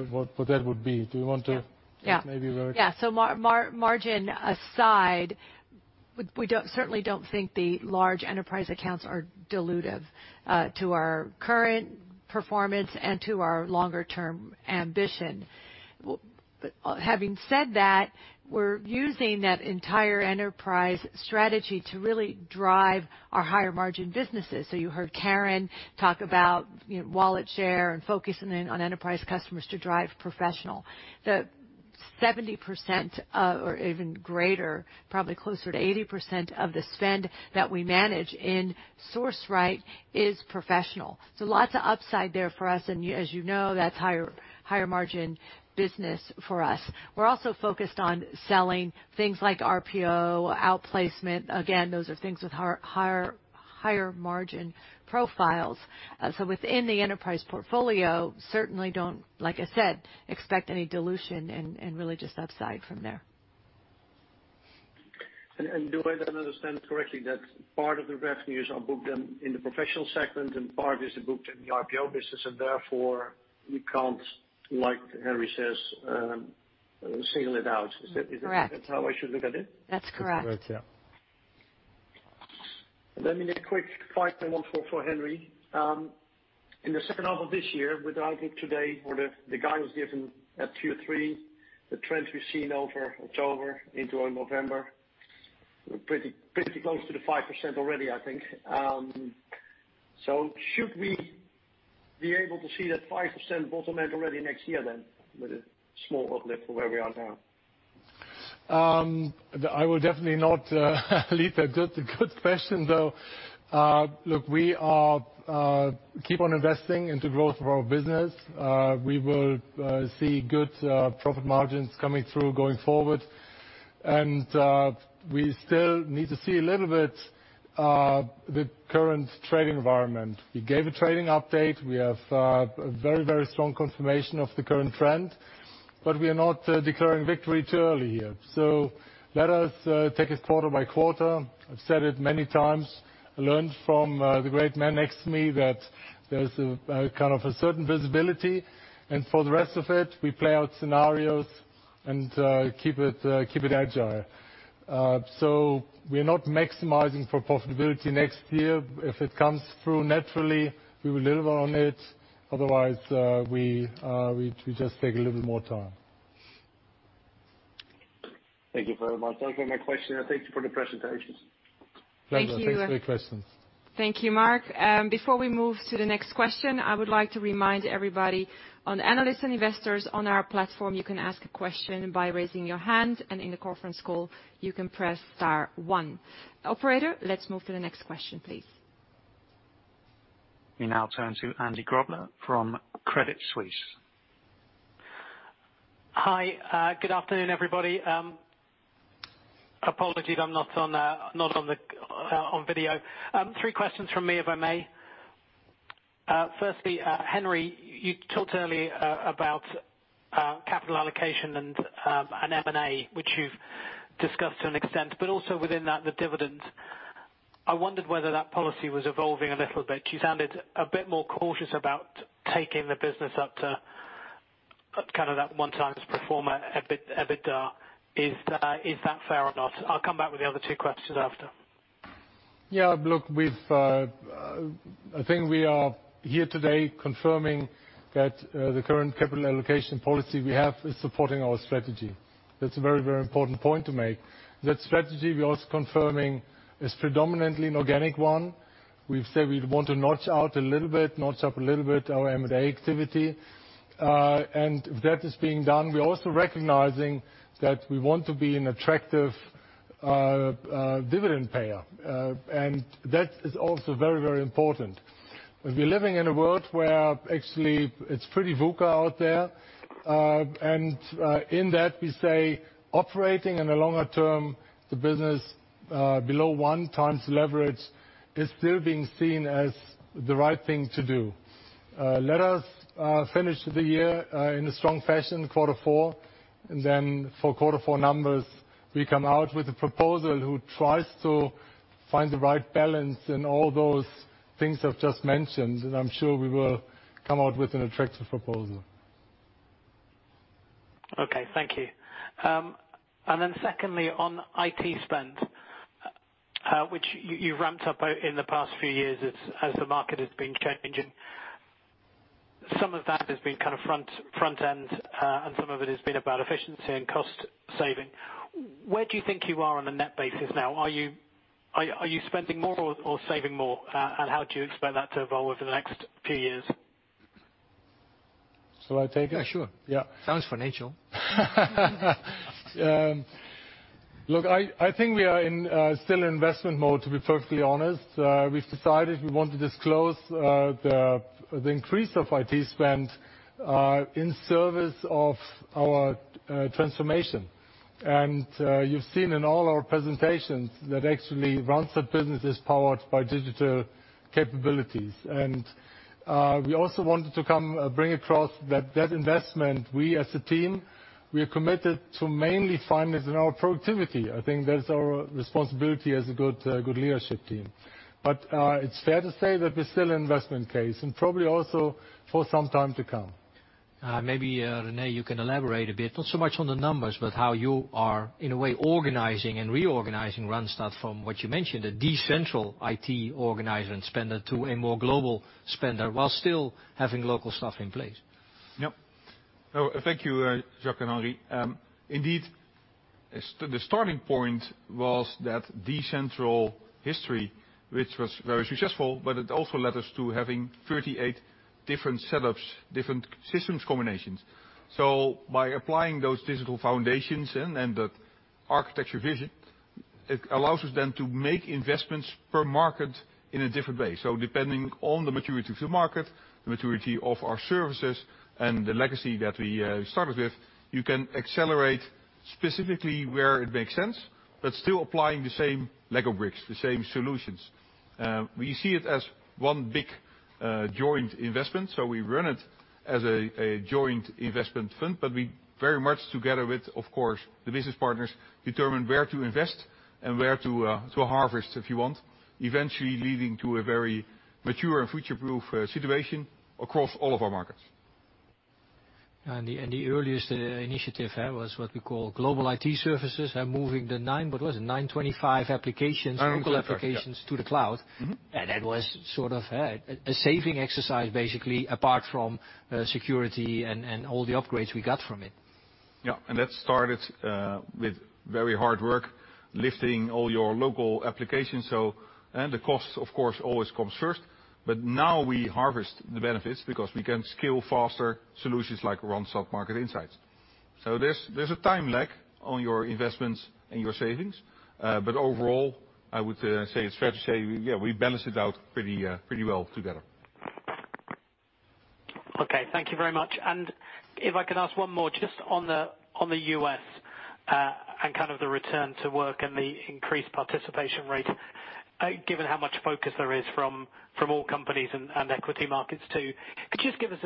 what that would be. Do you want to? Just maybe re- Margin aside, we certainly don't think the large enterprise accounts are dilutive to our current performance and to our longer-term ambition. Having said that, we're using that entire enterprise strategy to really drive our higher margin businesses. You heard Karen talk about, wallet share and focusing in on enterprise customers to drive professional. The 70%, or even greater, probably closer to 80% of the spend that we manage in Sourceright is professional. Lots of upside there for us, and as that's higher margin business for us. We're also focused on selling things like RPO, outplacement. Again, those are things with higher margin profiles. Within the enterprise portfolio, certainly don't, like I said, expect any dilution and really just upside from there. Do I then understand correctly that part of the revenues are booked in the professional segment and part is booked in the RPO business and therefore we can't, like Henry says, single it out? Is that- Correct. Is that how I should look at it? That's correct. That's right. Let me make a quick point, then one for Henry. In the second half of this year, without looking today or the guidance given at Q3, the trends we've seen over October into November, we're pretty close to the 5% already, I think. Should we be able to see that 5% bottom end already next year then with a small uplift for where we are now? I will definitely not leave that. Good question though. Look, we keep on investing into growth of our business. We will see good profit margins coming through going forward. We still need to see a little bit the current trading environment. We gave a trading update. We have a very strong confirmation of the current trend, but we are not declaring victory too early here. Let us take it quarter by quarter. I've said it many times. I learned from the great man next to me that there's a kind of a certain visibility. For the rest of it, we play out scenarios and keep it agile. We're not maximizing for profitability next year. If it comes through naturally, we will deliver on it. Otherwise, we just take a little more time. Thank you very much. That was my question. Thank you for the presentations. Pleasure. Thank you. Thanks for your questions. Thank you, Marc Zwartsenburg. Before we move to the next question, I would like to remind everybody on analysts and investors on our platform, you can ask a question by raising your hand, and in the conference call, you can press star one. Operator, let's move to the next question, please. We now turn to Andy Grobler from Credit Suisse. Hi. Good afternoon, everybody. Apologies I'm not on video. Three questions from me, if I may. Firstly, Henry, you talked earlier about capital allocation and M&A, which you've discussed to an extent, but also within that, the dividend. I wondered whether that policy was evolving a little bit. You sounded a bit more cautious about taking the business up to kind of that one times net debt to EBITDA. Is that fair or not? I'll come back with the other two questions after. look, we've, I think we are here today confirming that, the current capital allocation policy we have is supporting our strategy. That's a very, very important point to make. That strategy we're also confirming is predominantly an organic one. We've said we'd want to notch out a little bit, notch up a little bit our M&A activity. That is being done. We're also recognizing that we want to be an attractive dividend payer. That is also very, very important. We're living in a world where actually it's pretty VUCA out there. In that we say operating in the longer term, the business below 1 times leverage is still being seen as the right thing to do. Let us finish the year in a strong fashion, quarter four, and then for quarter four numbers, we come out with a proposal who tries to find the right balance in all those things I've just mentioned, and I'm sure we will come out with an attractive proposal. Okay, thank you. Secondly, on IT spend, which you've ramped up in the past few years as the market has been changing. Some of that has been kind of front end, and some of it has been about efficiency and cost saving. Where do you think you are on a net basis now? Are you spending more or saving more? How do you expect that to evolve over the next few years? Shall I take it? Sure. Sounds financial. Look, I think we are still in investment mode, to be perfectly honest. We've decided we want to disclose the increase of IT spend in service of our transformation. You've seen in all our presentations that actually Randstad business is powered by digital capabilities. We also wanted to bring across that investment, we as a team are committed to mainly find this in our productivity. I think that's our responsibility as a good leadership team. It's fair to say that we're still investment case and probably also for some time to come. René, you can elaborate a bit, not so much on the numbers, but how you are, in a way, organizing and reorganizing Randstad from what you mentioned, a decentralized IT organization and spender to a more global spender while still having local stuff in place. Yep. Oh, thank you, Jacques and Henry. Indeed, the starting point was that decentralized history, which was very successful, but it also led us to having 38 different setups, different systems combinations. By applying those digital foundations and the architecture vision, it allows us then to make investments per market in a different way. Depending on the maturity of the market, the maturity of our services and the legacy that we started with, you can accelerate specifically where it makes sense, but still applying the same Lego bricks, the same solutions. We see it as one big joint investment. We run it as a joint investment fund, but we very much together with, of course, the business partners determine where to invest and where to harvest, if you want, eventually leading to a very mature and future-proof situation across all of our markets. The earliest initiative was what we call global IT services and moving the 9, what was it, 925 applications. 9 applications to the cloud. That was sort of a saving exercise basically, apart from security and all the upgrades we got from it. That started with very hard work lifting all your local applications. The cost of course always comes first. Now we harvest the benefits because we can scale faster solutions like Randstad Market Insights. There's a time lag on your investments and your savings. Overall, I would say it's fair to say, yeah, we balance it out pretty well together. Okay. Thank you very much. If I could ask one more just on the U.S., and kind of the return to work and the increased participation rate, given how much focus there is from all companies and equity markets too. Could you just give us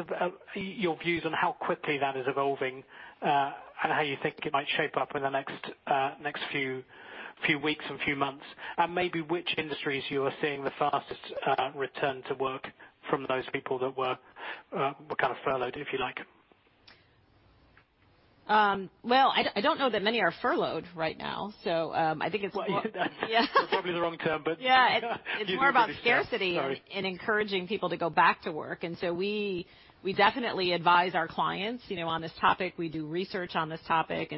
your views on how quickly that is evolving, and how you think it might shape up in the next few weeks and few months? And maybe which industries you are seeing the fastest return to work from those people that were kind of furloughed, if you like? Well, I don't know that many are furloughed right now, so I think it's more. That's probably the wrong term, but. You do get it. sorry. It's more about scarcity and encouraging people to go back to work. We definitely advise our clients, on this topic. We do research on this topic.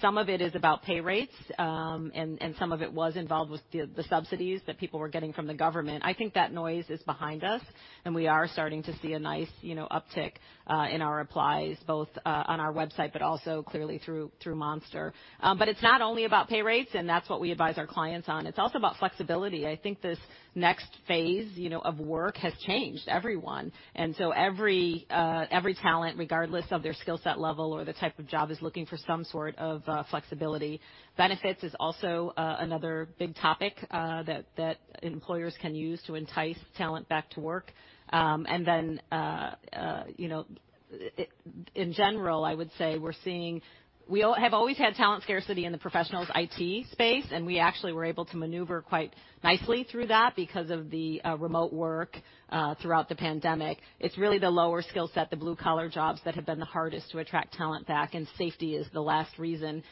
Some of it is about pay rates, and some of it was involved with the subsidies that people were getting from the government. I think that noise is behind us, and we are starting to see a nice, uptick in our applies both on our website but also clearly through Monster. It's not only about pay rates, and that's what we advise our clients on. It's also about flexibility. I think this next phase, of work has changed everyone. Every talent, regardless of their skill set level or the type of job, is looking for some sort of flexibility. Benefits is also another big topic that employers can use to entice talent back to work. In general, I would say we always have had talent scarcity in the professional IT space, and we actually were able to maneuver quite nicely through that because of the remote work throughout the pandemic. It's really the lower skill set, the blue-collar jobs that have been the hardest to attract talent back, and safety is the last reason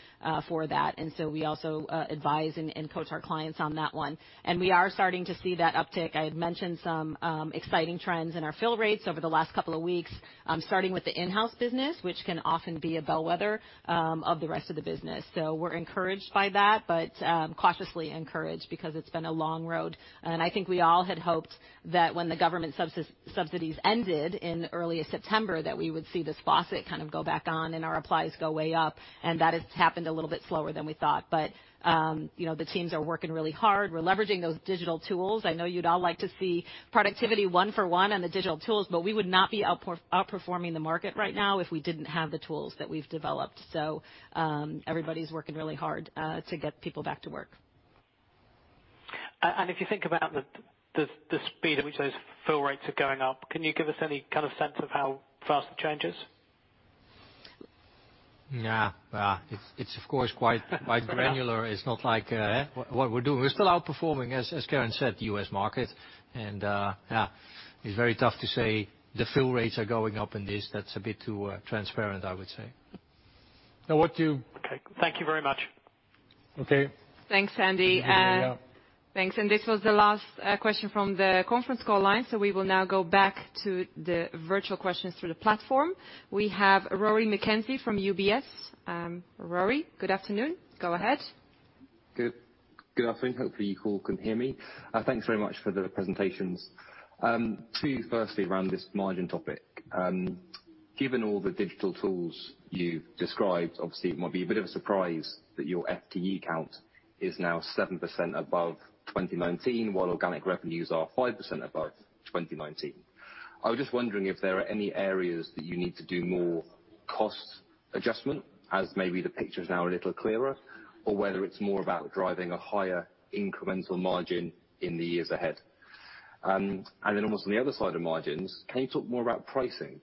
for that. We also advise and coach our clients on that one. We are starting to see that uptick. I had mentioned some exciting trends in our fill rates over the last couple of weeks, starting with the in-house business, which can often be a bellwether of the rest of the business. We're encouraged by that but cautiously encouraged because it's been a long road. I think we all had hoped that when the government subsidies ended in early September, that we would see this faucet kind of go back on and our applies go way up, and that has happened a little bit slower than we thought., the teams are working really hard. We're leveraging those digital tools. I know you'd all like to see productivity one for one on the digital tools, but we would not be outperforming the market right now if we didn't have the tools that we've developed. Everybody's working really hard to get people back to work. If you think about the speed at which those fill rates are going up, can you give us any kind of sense of how fast the change is? Nah. It's of course quite granular. It's not like what we're doing. We're still outperforming, as Karen said, the U.S. market. it's very tough to say the fill rates are going up in this. That's a bit too transparent, I would say. Now what do- Okay, thank you very much. Okay. Thanks, Andy Grobler. Thank you. Yeah. Thanks. This was the last question from the conference call line, so we will now go back to the virtual questions through the platform. We have Rory McKenzie from UBS. Rory, good afternoon. Go ahead. Good afternoon. Hopefully, you all can hear me. Thanks very much for the presentations. Two firstly around this margin topic. Given all the digital tools you've described, obviously it might be a bit of a surprise that your FTE count is now 7% above 2019, while organic revenues are 5% above 2019. I was just wondering if there are any areas that you need to do more cost adjustment, as maybe the picture is now a little clearer, or whether it's more about driving a higher incremental margin in the years ahead. Almost on the other side of margins, can you talk more about pricing?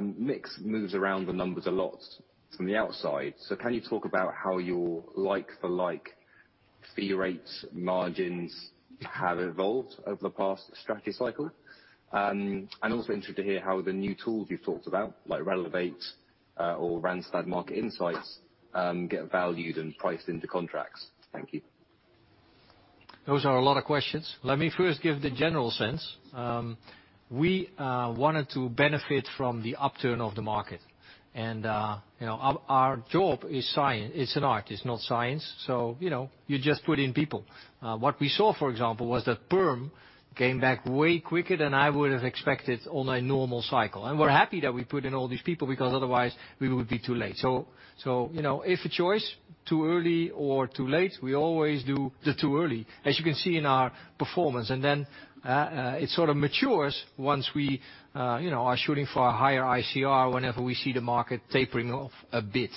Mix moves around the numbers a lot from the outside, so can you talk about how your like-for-like fee rates, margins have evolved over the past strategy cycle? I'm interested to hear how the new tools you've talked about, like Relevate, or Randstad Market Insights, get valued and priced into contracts. Thank you. Those are a lot of questions. Let me first give the general sense. We wanted to benefit from the upturn of the market. , our job is an art, it's not science, so you just put in people. What we saw, for example, was that perm came back way quicker than I would have expected on a normal cycle. We're happy that we put in all these people, because otherwise we would be too late., if a choice, too early or too late, we always do the too early, as you can see in our performance. It sort of matures once we, are shooting for a higher ICR whenever we see the market tapering off a bit.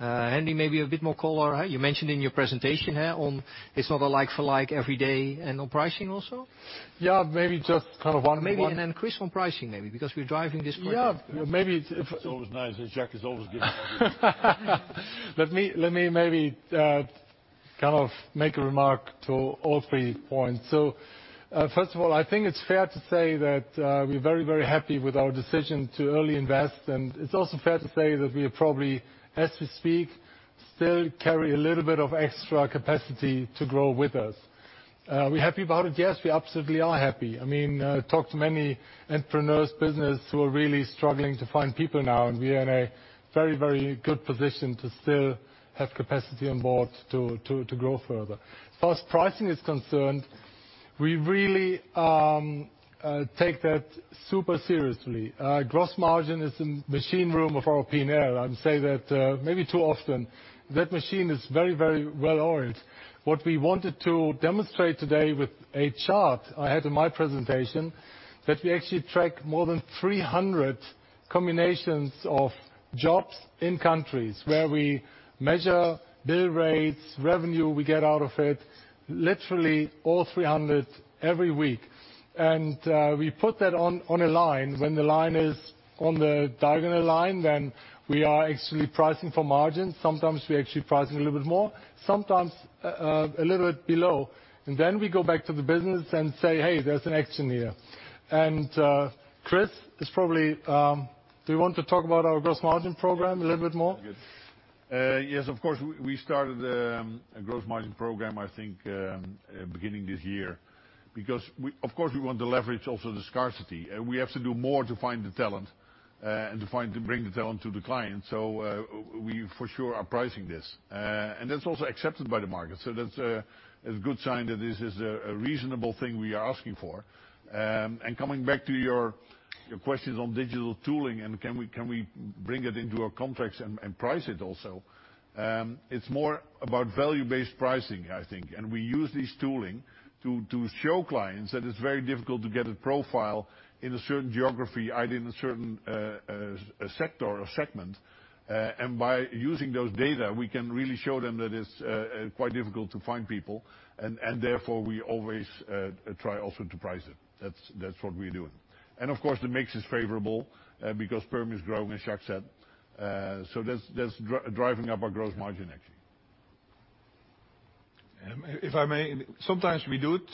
Andy, maybe a bit more color, you mentioned in your presentation here on its not a like-for-like every day and on pricing also. Maybe just kind of one. Maybe, and then Chris on pricing, maybe, because we're driving this quite a bit. Maybe if It's always nice. Jacques is always giving me business. Let me maybe kind of make a remark to all three points. First of all, I think it's fair to say that we're very, very happy with our decision to early invest, and it's also fair to say that we probably, as we speak, still carry a little bit of extra capacity to grow with us. Are we happy about it? Yes, we absolutely are happy. I mean, talked to many entrepreneurs, businesses who are really struggling to find people now, and we are in a very, very good position to still have capacity on board to grow further. As far as pricing is concerned, we really take that super seriously. Gross margin is the machine room of our P&L. I would say that maybe too often that machine is very, very well oiled. What we wanted to demonstrate today with a chart I had in my presentation, that we actually track more than 300 combinations of jobs in countries where we measure bill rates, revenue we get out of it, literally all 300 every week. We put that on a line. When the line is on the diagonal line, then we are actually pricing for margin. Sometimes we're actually pricing a little bit more, sometimes a little bit below. Then we go back to the business and say, "Hey, there's an action here." Chris, it's probably. Do you want to talk about our gross margin program a little bit more? Yes. Yes, of course, we started a growth margin program, I think, beginning this year because we want to leverage also the scarcity. We have to do more to find the talent and to bring the talent to the client. For sure we are pricing this. That's also accepted by the market. That's a good sign that this is a reasonable thing we are asking for. Coming back to your questions on digital tooling and can we bring it into our contracts and price it also. It's more about value-based pricing, I think, and we use this tooling to show clients that it's very difficult to get a profile in a certain geography, and in a certain sector or segment. By using those data, we can really show them that it's quite difficult to find people and therefore, we always try also to price it. That's what we're doing. Of course, the mix is favorable because perm is growing, as Jacques said. That's driving up our gross margin actually. If I may, sometimes we do it,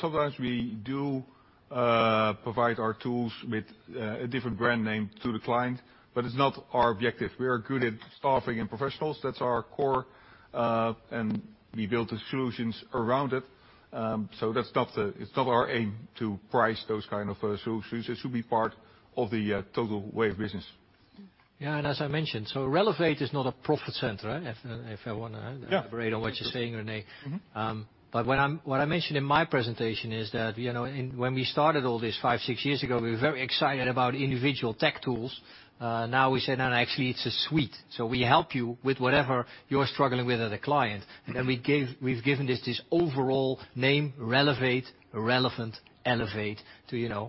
provide our tools with a different brand name to the client, but it's not our objective. We are good at staffing and professionals. That's our core, and we build the solutions around it. It's not our aim to price those kind of solutions. It should be part of the total way of business. Yeah. As I mentioned, Relevate is not a profit center, if I want to elaborate on what you're saying, René. But what I mentioned in my presentation is that, when we started all this five, six years ago, we were very excited about individual tech tools. Now we say, "No, actually it's a suite." We help you with whatever you're struggling with as a client. We’ve given this overall name, Relevate, relevant elevate, to you know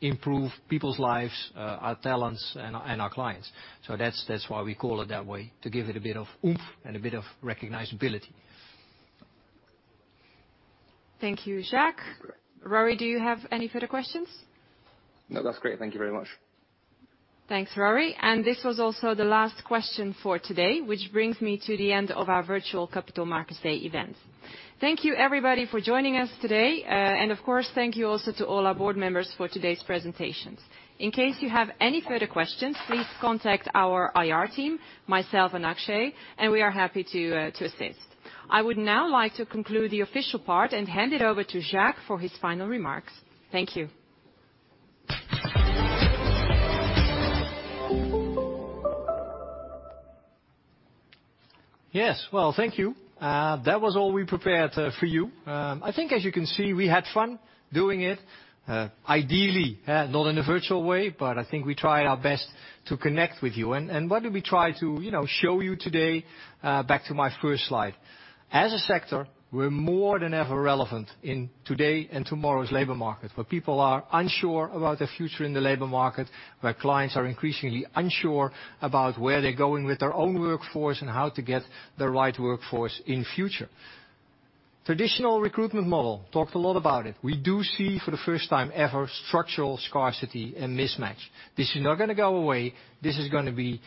improve people's lives, our talents and our clients. That's why we call it that way, to give it a bit of oomph and a bit of recognizability. Thank you, Jacques. Rory, do you have any further questions? No, that's great. Thank you very much. Thanks, Rory. This was also the last question for today, which brings me to the end of our virtual Capital Markets Day event. Thank you, everybody, for joining us today. Of course, thank you also to all our board members for today's presentations. In case you have any further questions, please contact our IR team, myself, and Akshay, and we are happy to assist. I would now like to conclude the official part and hand it over to Jacques for his final remarks. Thank you. Yes. Well, thank you. That was all we prepared for you. I think as you can see, we had fun doing it. Ideally, not in a virtual way, but I think we tried our best to connect with you. What did we try to, show you today, back to my first slide. As a sector, we're more than ever relevant in today and tomorrow's labor market, where people are unsure about their future in the labor market, where clients are increasingly unsure about where they're going with their own workforce and how to get the right workforce in future. We talked a lot about the traditional recruitment model. We do see, for the first time ever, structural scarcity and mismatch. This is not gonna go away. This is gonna be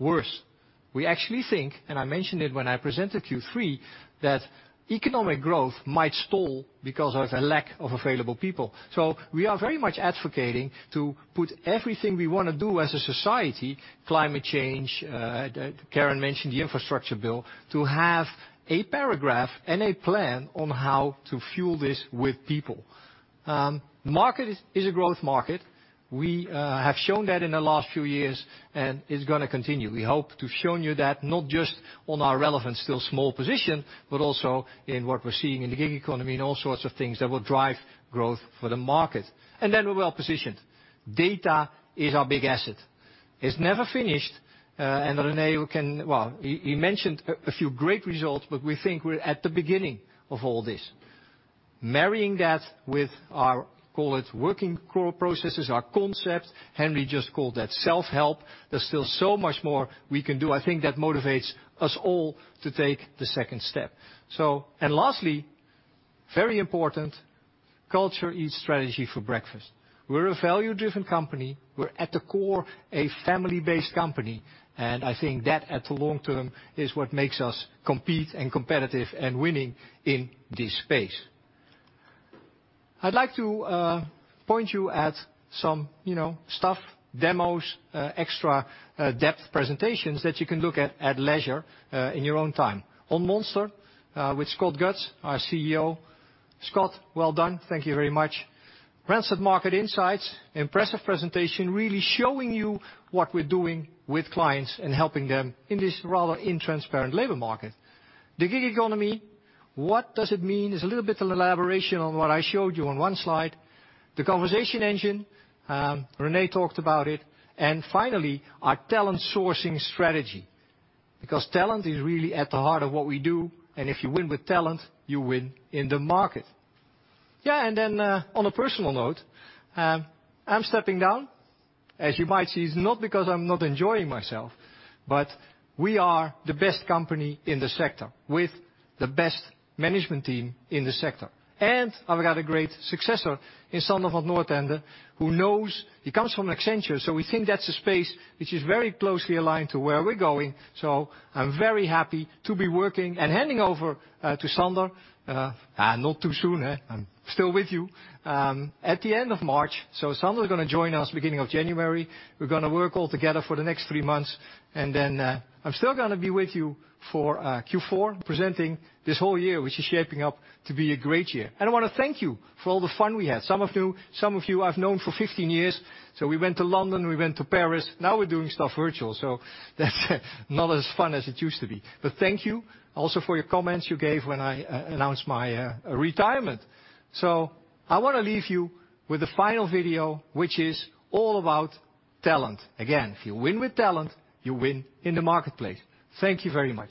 worse. We actually think, and I mentioned it when I presented Q3, that economic growth might stall because of the lack of available people. We are very much advocating to put everything we wanna do as a society, climate change, Karen mentioned the infrastructure bill, to have a paragraph and a plan on how to fuel this with people. Market is a growth market. We have shown that in the last few years and it's gonna continue. We hope to have shown you that not just on our Relevate, still small position, but also in what we're seeing in the gig economy and all sorts of things that will drive growth for the market. We're well positioned. Data is our big asset. It's never finished, and René, you can. Well, he mentioned a few great results, but we think we're at the beginning of all this. Marrying that with our, call it working core processes, our concept. Henry just called that self-help. There's still so much more we can do. I think that motivates us all to take the second step. Lastly, very important, culture eats strategy for breakfast. We're a value-driven company. We're at the core, a family-based company, and I think that at the long term is what makes us compete and competitive and winning in this space. I'd like to point you at some, stuff, demos, extra depth presentations that you can look at leisure in your own time. On Monster with Scott Gutz, our CEO. Scott, well done. Thank you very much. Randstad Market Insights, impressive presentation, really showing you what we're doing with clients and helping them in this rather intransparent labor market. The gig economy, what does it mean? It's a little bit of elaboration on what I showed you on one slide. The conversation engine, René talked about it. Finally, our talent sourcing strategy. Because talent is really at the heart of what we do, and if you win with talent, you win in the market. Yeah. Then, on a personal note, I'm stepping down, as you might see. It's not because I'm not enjoying myself, but we are the best company in the sector with the best management team in the sector. I've got a great successor in Sander van 't Noordende, who knows. He comes from Accenture, so we think that's a space which is very closely aligned to where we're going. I'm very happy to be working and handing over to Sander not too soon, huh? I'm still with you at the end of March. Sander's gonna join us beginning of January. We're gonna work all together for the next three months, and then I'm still gonna be with you for Q4, presenting this whole year, which is shaping up to be a great year. I wanna thank you for all the fun we had. Some of you I've known for 15 years. We went to London, we went to Paris. Now we're doing stuff virtual. That's not as fun as it used to be. Thank you also for your comments you gave when I announced my retirement. I wanna leave you with a final video which is all about talent. Again, if you win with talent, you win in the marketplace. Thank you very much.